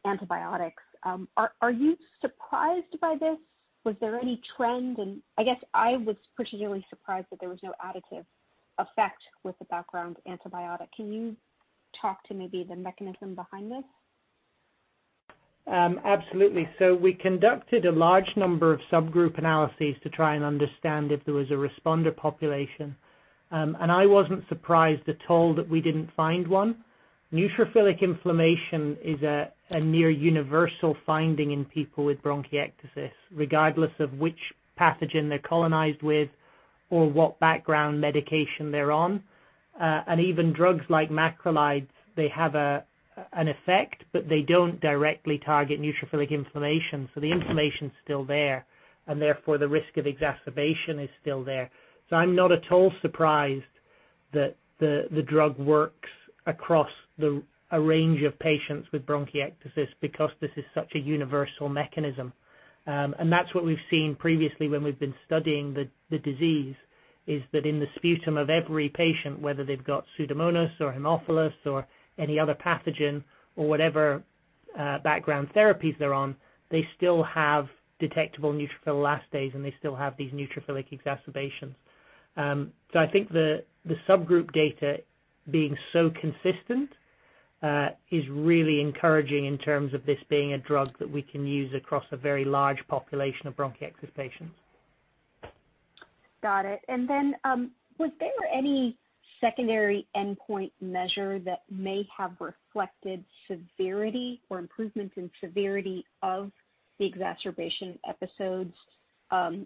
antibiotics. Are you surprised by this? Was there any trend? I guess I was particularly surprised that there was no additive effect with the background antibiotic. Can you talk to maybe the mechanism behind this? Absolutely. We conducted a large number of subgroup analyses to try and understand if there was a responder population. And I wasn't surprised at all that we didn't find one. Neutrophilic inflammation is a near universal finding in people with bronchiectasis, regardless of which pathogen they're colonized with or what background medication they're on. And even drugs like macrolides, they have an effect, but they don't directly target neutrophilic inflammation. The inflammation's still there, and therefore the risk of exacerbation is still there. I'm not at all surprised that the drug works across a range of patients with bronchiectasis, because this is such a universal mechanism. That's what we've seen previously when we've been studying the disease, is that in the sputum of every patient, whether they've got Pseudomonas or Haemophilus or any other pathogen or whatever background therapies they're on, they still have detectable neutrophil elastase, and they still have these neutrophilic exacerbations. I think the subgroup data being so consistent is really encouraging in terms of this being a drug that we can use across a very large population of bronchiectasis patients. Got it. Was there any secondary endpoint measure that may have reflected severity or improvements in severity of the exacerbation episodes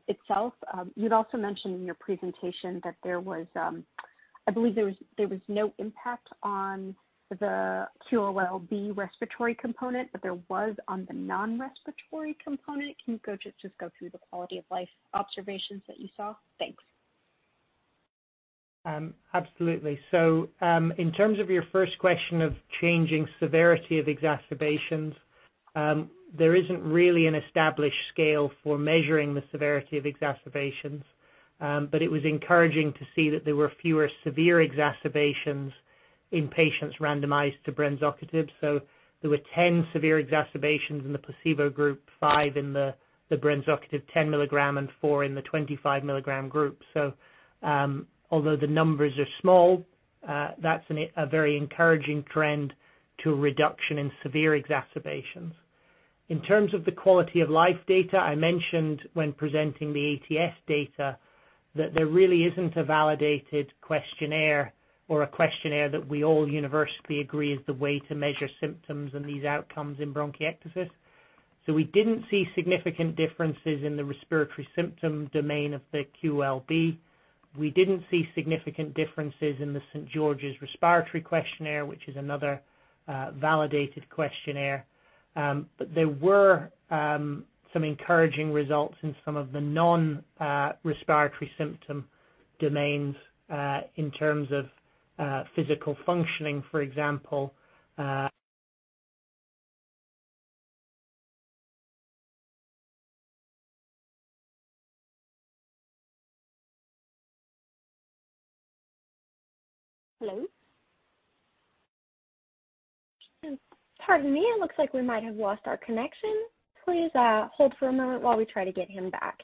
itself? You had also mentioned in your presentation that there was, I believe there was no impact on the QOL-B respiratory component, but there was on the non-respiratory component. Can you just go through the quality of life observations that you saw? Thanks. Absolutely. In terms of your first question of changing severity of exacerbations, there isn't really an established scale for measuring the severity of exacerbations. It was encouraging to see that there were fewer severe exacerbations in patients randomized to brensocatib. There were 10 severe exacerbations in the placebo group, five in the brensocatib 10 mg and four in the 25 mg group. Although the numbers are small, that's a very encouraging trend to a reduction in severe exacerbations. In terms of the quality of life data, I mentioned when presenting the ATS data that there really isn't a validated questionnaire or a questionnaire that we all universally agree is the way to measure symptoms and these outcomes in bronchiectasis. We didn't see significant differences in the respiratory symptom domain of the QOL-B. We didn't see significant differences in the St. George's Respiratory Questionnaire, which is another validated questionnaire. There were some encouraging results in some of the non-respiratory symptom domains, in terms of physical functioning, for example. Hello? Pardon me, it looks like we might have lost our connection. Please hold for a moment while we try to get him back.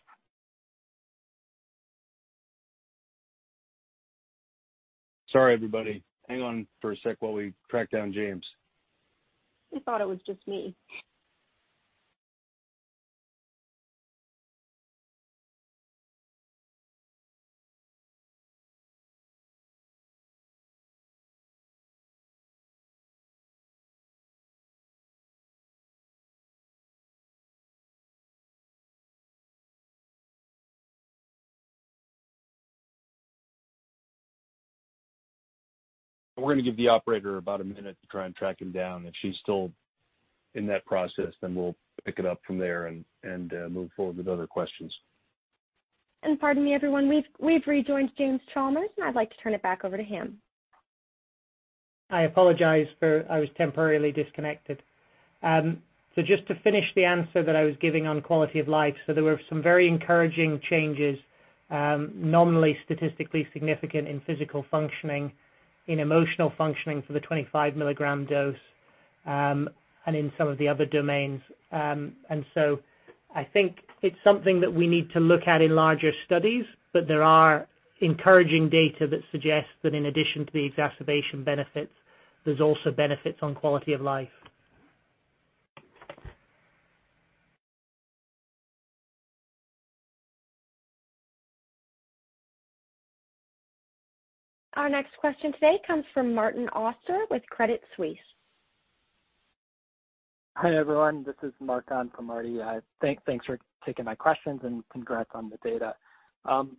Sorry, everybody. Hang on for a sec while we track down James. I thought it was just me. We're going to give the operator about a minute to try and track him down. If she's still in that process, we'll pick it up from there and move forward with other questions. Pardon me, everyone. We've rejoined James Chalmers, and I'd like to turn it back over to him. I apologize for I was temporarily disconnected. Just to finish the answer that I was giving on quality of life. There were some very encouraging changes, nominally statistically significant in physical functioning, in emotional functioning for the 25 mg dose, and in some of the other domains. I think it's something that we need to look at in larger studies, but there are encouraging data that suggests that in addition to the exacerbation benefits, there's also benefits on quality of life. Our next question today comes from Martin Auster with Credit Suisse. Hi, everyone. This is Martin from Credit Suisse. Thanks for taking my questions and congrats on the data.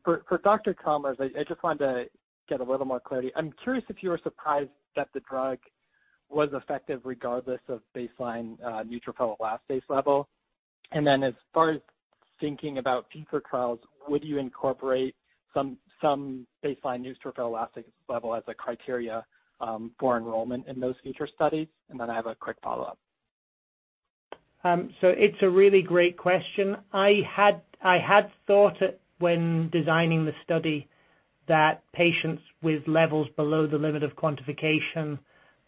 For Dr. Chalmers, I just wanted to get a little more clarity. I'm curious if you were surprised that the drug was effective regardless of baseline neutrophil elastase level. Then as far as thinking about future trials, would you incorporate some baseline neutrophil elastase level as a criteria for enrollment in those future studies? Then I have a quick follow-up. It's a really great question. I had thought it when designing the study that patients with levels below the limit of quantification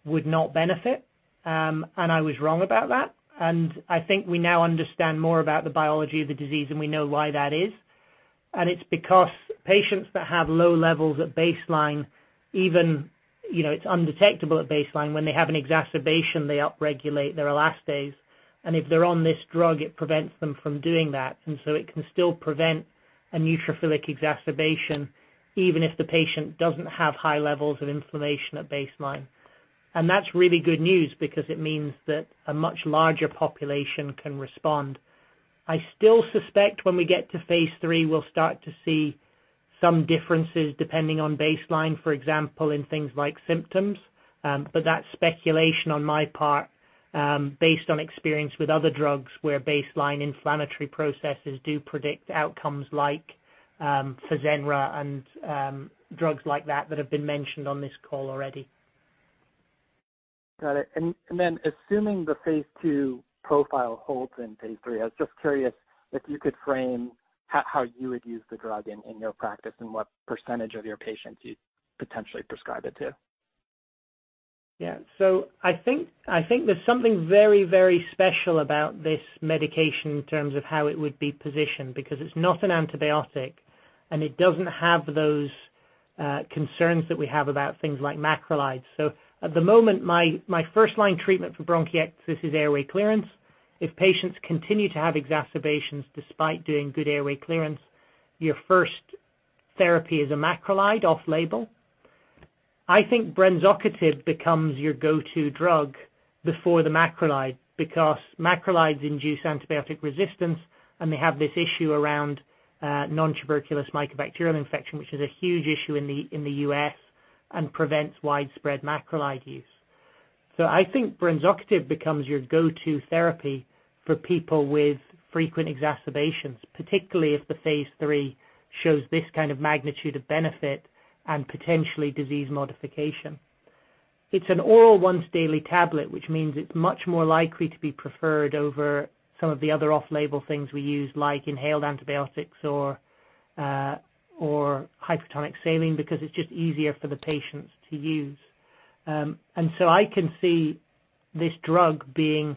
would not benefit. I was wrong about that. I think we now understand more about the biology of the disease, and we know why that is. It's because patients that have low levels at baseline, even, it's undetectable at baseline, when they have an exacerbation, they upregulate their elastase. If they're on this drug, it prevents them from doing that. It can still prevent a neutrophilic exacerbation, even if the patient doesn't have high levels of inflammation at baseline. That's really good news because it means that a much larger population can respond. I still suspect when we get to phase III, we'll start to see some differences depending on baseline, for example, in things like symptoms. That's speculation on my part, based on experience with other drugs where baseline inflammatory processes do predict outcomes like for XOLAIR and drugs like that that have been mentioned on this call already. Got it. Assuming the phase II profile holds in phase III, I was just curious if you could frame how you would use the drug in your practice and what percentage of your patients you'd potentially prescribe it to. I think there's something very, very special about this medication in terms of how it would be positioned, because it's not an antibiotic, and it doesn't have those concerns that we have about things like macrolides. At the moment, my first-line treatment for bronchiectasis is airway clearance. If patients continue to have exacerbations despite doing good airway clearance, your first therapy is a macrolide off-label. I think brensocatib becomes your go-to drug before the macrolide because macrolides induce antibiotic resistance, and they have this issue around nontuberculous mycobacterial infection, which is a huge issue in the U.S. and prevents widespread macrolide use. I think brensocatib becomes your go-to therapy for people with frequent exacerbations, particularly if the phase III shows this kind of magnitude of benefit and potentially disease modification. It's an oral once-daily tablet, which means it's much more likely to be preferred over some of the other off-label things we use, like inhaled antibiotics or hypertonic saline, because it's just easier for the patients to use. I can see this drug being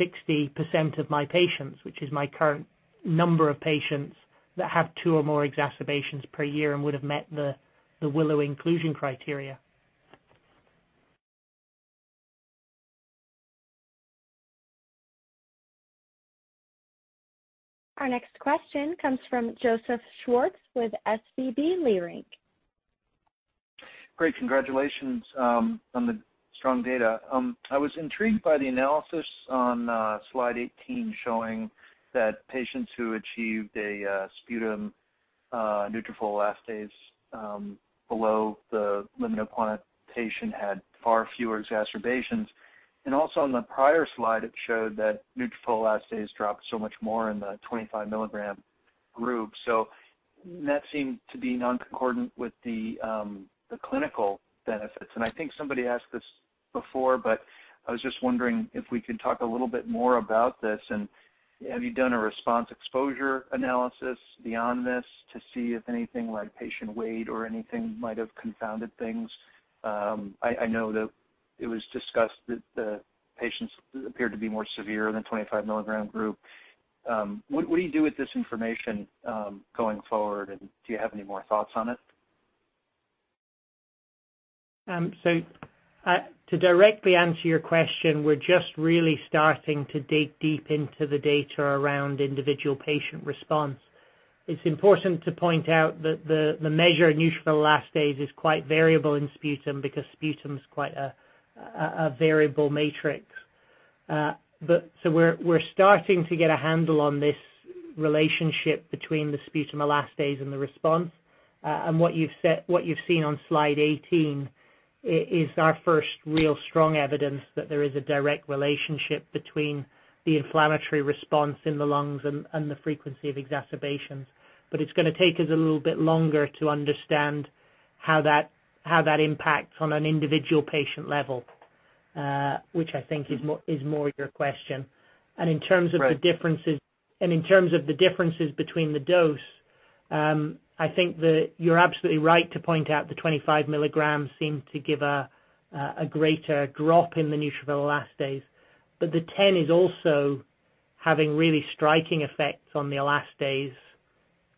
60% of my patients, which is my current number of patients that have two or more exacerbations per year and would have met the WILLOW inclusion criteria. Our next question comes from Joseph Schwartz with SVB Leerink. Great. Congratulations on the strong data. I was intrigued by the analysis on slide 18 showing that patients who achieved a sputum neutrophil elastase below the limit of quantification had far fewer exacerbations. Also on the prior slide, it showed that neutrophil elastase dropped so much more in the 25 milligram group. That seemed to be non-concordant with the clinical benefits. I think somebody asked this before, I was just wondering if we could talk a little bit more about this, have you done a response exposure analysis beyond this to see if anything like patient weight or anything might have confounded things? I know that it was discussed that the patients appeared to be more severe than 25 milligram group. What do you do with this information going forward, do you have any more thoughts on it? To directly answer your question, we're just really starting to dig deep into the data around individual patient response. It's important to point out that the measure of neutrophil elastase is quite variable in sputum because sputum is quite a variable matrix. We're starting to get a handle on this relationship between the sputum elastase and the response. What you've seen on slide 18 is our first real strong evidence that there is a direct relationship between the inflammatory response in the lungs and the frequency of exacerbations. It's going to take us a little bit longer to understand how that impacts on an individual patient level, which I think is more your question. In terms of the differences- Right In terms of the differences between the dose, I think that you're absolutely right to point out the 25 mg seem to give a greater drop in the neutrophil elastase. The 10 is also having really striking effects on the elastase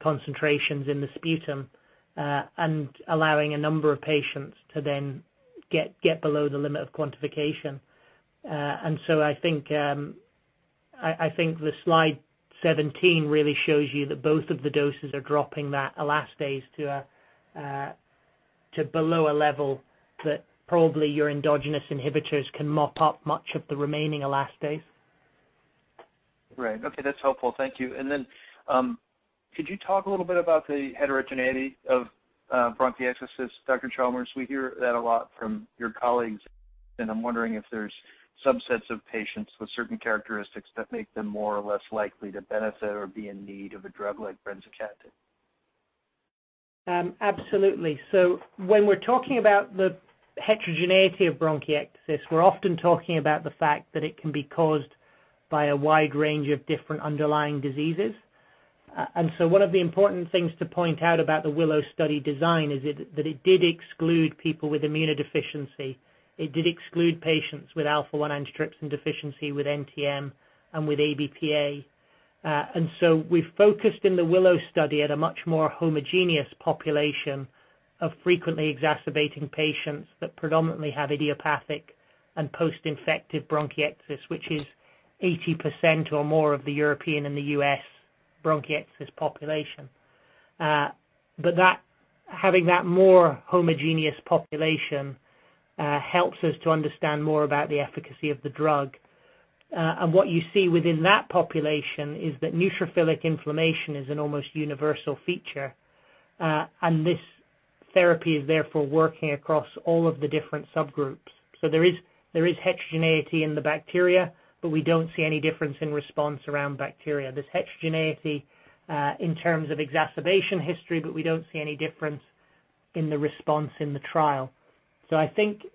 concentrations in the sputum, and allowing a number of patients to then get below the limit of quantification. I think the Slide 17 really shows you that both of the doses are dropping that elastase to below a level that probably your endogenous inhibitors can mop up much of the remaining elastase. Right. Okay, that's helpful. Thank you. Could you talk a little bit about the heterogeneity of bronchiectasis, Dr. Chalmers? We hear that a lot from your colleagues, and I'm wondering if there's subsets of patients with certain characteristics that make them more or less likely to benefit or be in need of a drug like brensocatib. Absolutely. When we're talking about the heterogeneity of bronchiectasis, we're often talking about the fact that it can be caused by a wide range of different underlying diseases. One of the important things to point out about the WILLOW study design is that it did exclude people with immunodeficiency. It did exclude patients with alpha-1 antitrypsin deficiency, with NTM, and with ABPA. We focused in the WILLOW study at a much more homogeneous population of frequently exacerbating patients that predominantly have idiopathic and post-infective bronchiectasis, which is 80% or more of the European and the U.S. bronchiectasis population. Having that more homogeneous population helps us to understand more about the efficacy of the drug. What you see within that population is that neutrophilic inflammation is an almost universal feature, and this therapy is therefore working across all of the different subgroups. There is heterogeneity in the bacteria, but we don't see any difference in response around bacteria. There's heterogeneity in terms of exacerbation history, but we don't see any difference in the response in the trial. I think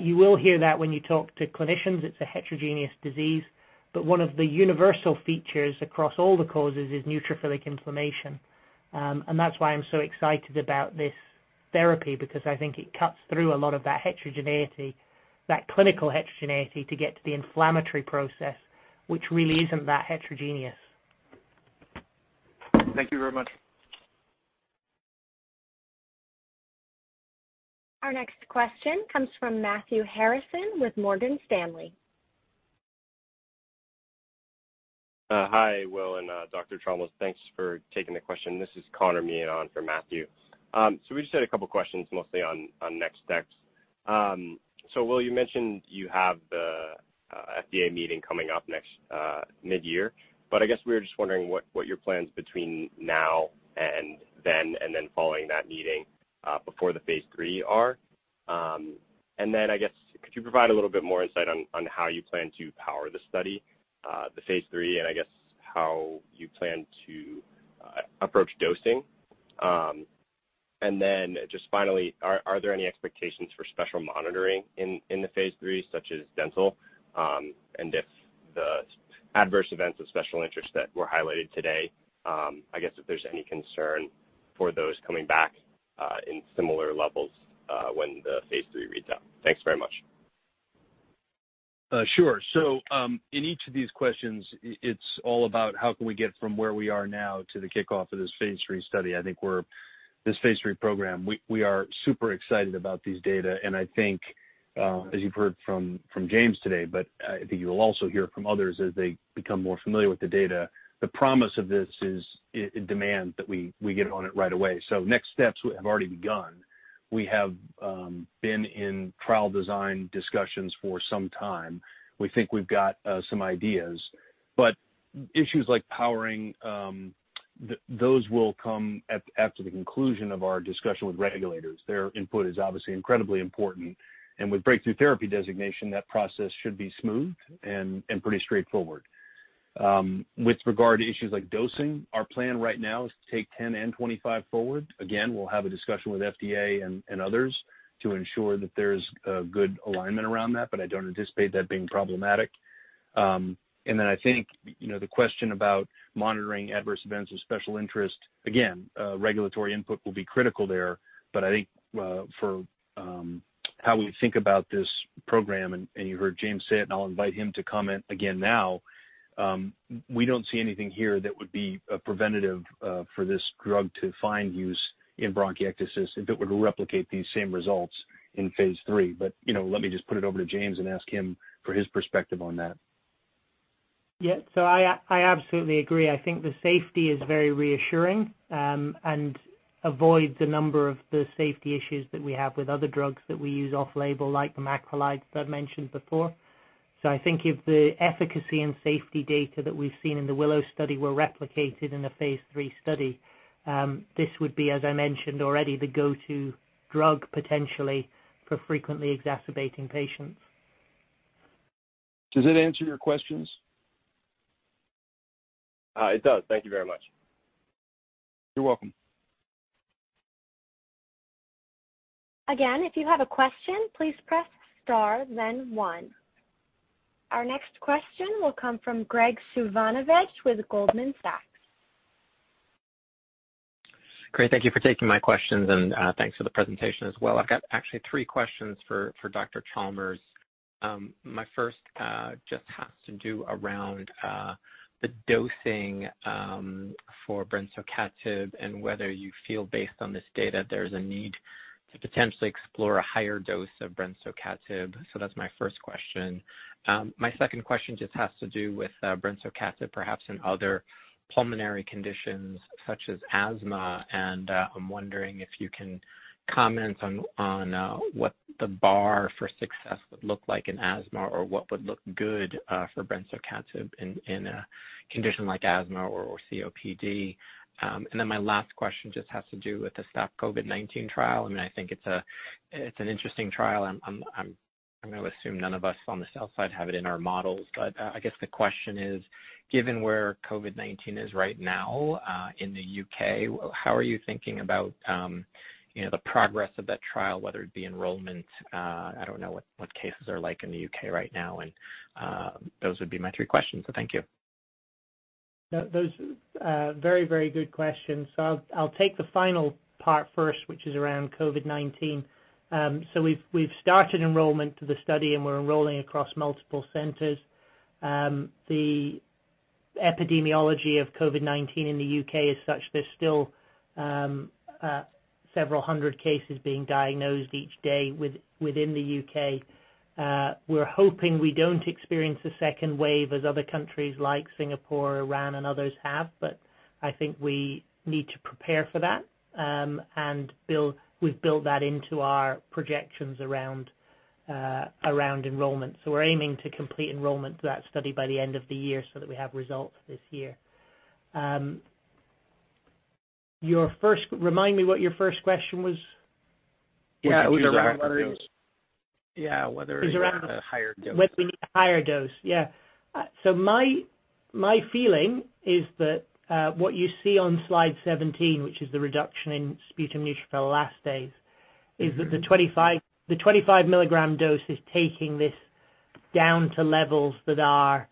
you will hear that when you talk to clinicians, it's a heterogeneous disease, but one of the universal features across all the causes is neutrophilic inflammation. That's why I'm so excited about this therapy, because I think it cuts through a lot of that heterogeneity, that clinical heterogeneity, to get to the inflammatory process, which really isn't that heterogeneous. Thank you very much. Our next question comes from Matthew Harrison with Morgan Stanley. Hi, Will and Dr. Chalmers. Thanks for taking the question. This is Connor Meehan on for Matthew. We just had a couple questions mostly on next steps. Will, you mentioned you have the FDA meeting coming up next mid-year, but I guess we were just wondering what your plans between now and then and then following that meeting before the phase III are. I guess, could you provide a little bit more insight on how you plan to power the study, the phase III, and I guess how you plan to approach dosing? Just finally, are there any expectations for special monitoring in the phase III, such as dental? If the adverse events of special interest that were highlighted today, I guess if there's any concern for those coming back in similar levels when the phase III reads out. Thanks very much. Sure. In each of these questions, it's all about how can we get from where we are now to the kickoff of this phase III study. I think this phase III program, we are super excited about these data, and I think as you've heard from James today, but I think you'll also hear it from others as they become more familiar with the data, the promise of this is in demand that we get on it right away. Next steps have already begun. We have been in trial design discussions for some time. We think we've got some ideas. Issues like powering, those will come after the conclusion of our discussion with regulators. Their input is obviously incredibly important. With Breakthrough Therapy designation, that process should be smooth and pretty straightforward. With regard to issues like dosing, our plan right now is to take 10 and 25 forward. Again, we'll have a discussion with FDA and others to ensure that there's a good alignment around that, but I don't anticipate that being problematic. I think the question about monitoring adverse events of special interest, again, regulatory input will be critical there. I think for how we think about this program, and you heard James say it, and I'll invite him to comment again now, we don't see anything here that would be preventative for this drug to find use in bronchiectasis if it were to replicate these same results in phase III. Let me just put it over to James and ask him for his perspective on that. Yeah. I absolutely agree. I think the safety is very reassuring and avoids a number of the safety issues that we have with other drugs that we use off-label, like the macrolides that I mentioned before. I think if the efficacy and safety data that we've seen in the WILLOW study were replicated in a phase III study, this would be, as I mentioned already, the go-to drug potentially for frequently exacerbating patients. Does that answer your questions? It does. Thank you very much. You're welcome. Again, if you have a question, please press star then one. Our next question will come from Graig Suvannavejh with Goldman Sachs. Great. Thank you for taking my questions and thanks for the presentation as well. I've got actually three questions for Dr. Chalmers. My first just has to do around the dosing for brensocatib and whether you feel based on this data there's a need to potentially explore a higher dose of brensocatib. That's my first question. My second question just has to do with brensocatib perhaps in other pulmonary conditions such as asthma, and I'm wondering if you can comment on what the bar for success would look like in asthma or what would look good for brensocatib in a condition like asthma or COPD. My last question just has to do with the STOP-COVID19 trial. I mean, I think it's an interesting trial. I'm going to assume none of us on the sell side have it in our models, but I guess the question is, given where COVID-19 is right now in the U.K., how are you thinking about the progress of that trial, whether it be enrollment? I don't know what cases are like in the U.K. right now. Those would be my three questions. Thank you. Those are very good questions. I'll take the final part first, which is around COVID-19. We've started enrollment to the study, and we're enrolling across multiple centers. The epidemiology of COVID-19 in the U.K. is such, there's still several hundred cases being diagnosed each day within the U.K. We're hoping we don't experience a second wave as other countries like Singapore, Iran, and others have. I think we need to prepare for that and we've built that into our projections around enrollment. We're aiming to complete enrollment to that study by the end of the year so that we have results this year. Remind me what your first question was. Yeah, it was around. Which was around higher dose. Yeah. Is around- a higher dose. Whether we need a higher dose. Yeah. My feeling is that what you see on Slide 17, which is the reduction in sputum neutrophil elastase, is that the 25 mg dose is taking this down to levels that are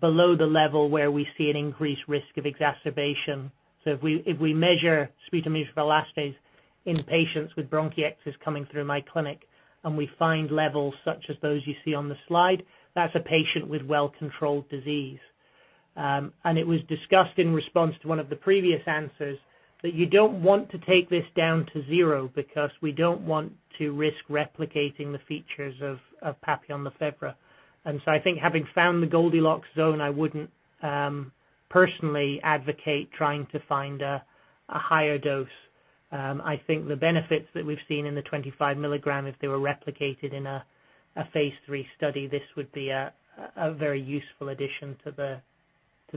below the level where we see an increased risk of exacerbation. If we measure sputum neutrophil elastase in patients with bronchiectasis coming through my clinic, and we find levels such as those you see on the slide, that's a patient with well-controlled disease. It was discussed in response to one of the previous answers that you don't want to take this down to zero because we don't want to risk replicating the features of Papillon-Lefèvre. I think having found the Goldilocks zone, I wouldn't personally advocate trying to find a higher dose. I think the benefits that we've seen in the 25 mg, if they were replicated in a phase III study, this would be a very useful addition to the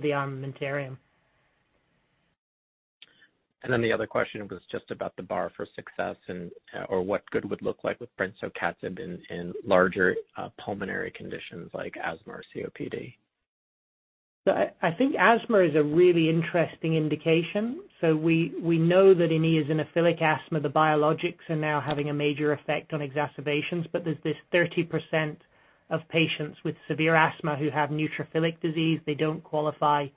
armamentarium. The other question was just about the bar for success or what good would look like with brensocatib in larger pulmonary conditions like asthma or COPD. I think asthma is a really interesting indication. There's this 30% of patients with severe asthma who have neutrophilic disease. They don't qualify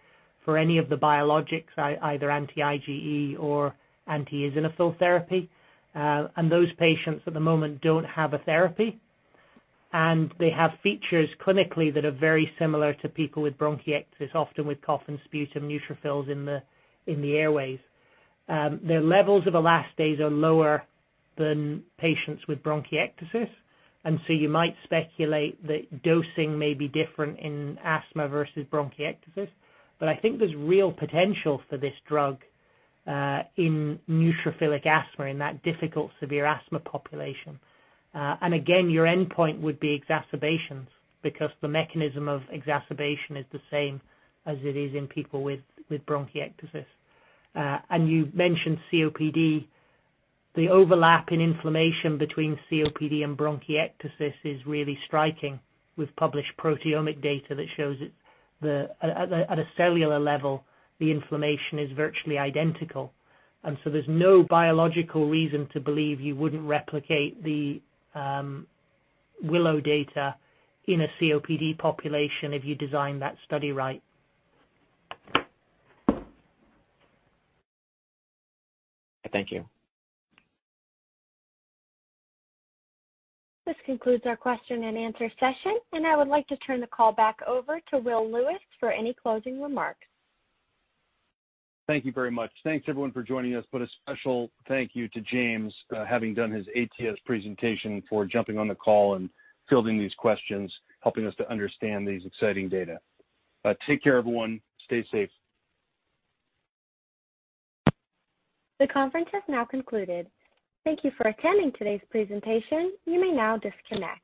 for any of the biologics, either anti-IgE or anti-eosinophil therapy. Those patients at the moment don't have a therapy, and they have features clinically that are very similar to people with bronchiectasis, often with cough and sputum neutrophils in the airways. Their levels of elastase are lower than patients with bronchiectasis. You might speculate that dosing may be different in asthma versus bronchiectasis. I think there's real potential for this drug in neutrophilic asthma, in that difficult severe asthma population. Again, your endpoint would be exacerbations because the mechanism of exacerbation is the same as it is in people with bronchiectasis. You mentioned COPD. The overlap in inflammation between COPD and bronchiectasis is really striking. We've published proteomic data that shows at a cellular level, the inflammation is virtually identical. There's no biological reason to believe you wouldn't replicate the WILLOW data in a COPD population if you design that study right. Thank you. This concludes our question and answer session, and I would like to turn the call back over to Will Lewis for any closing remarks. Thank you very much. Thanks everyone for joining us. A special thank you to James, having done his ATS presentation, for jumping on the call and fielding these questions, helping us to understand these exciting data. Take care, everyone. Stay safe. The conference has now concluded. Thank you for attending today's presentation. You may now disconnect.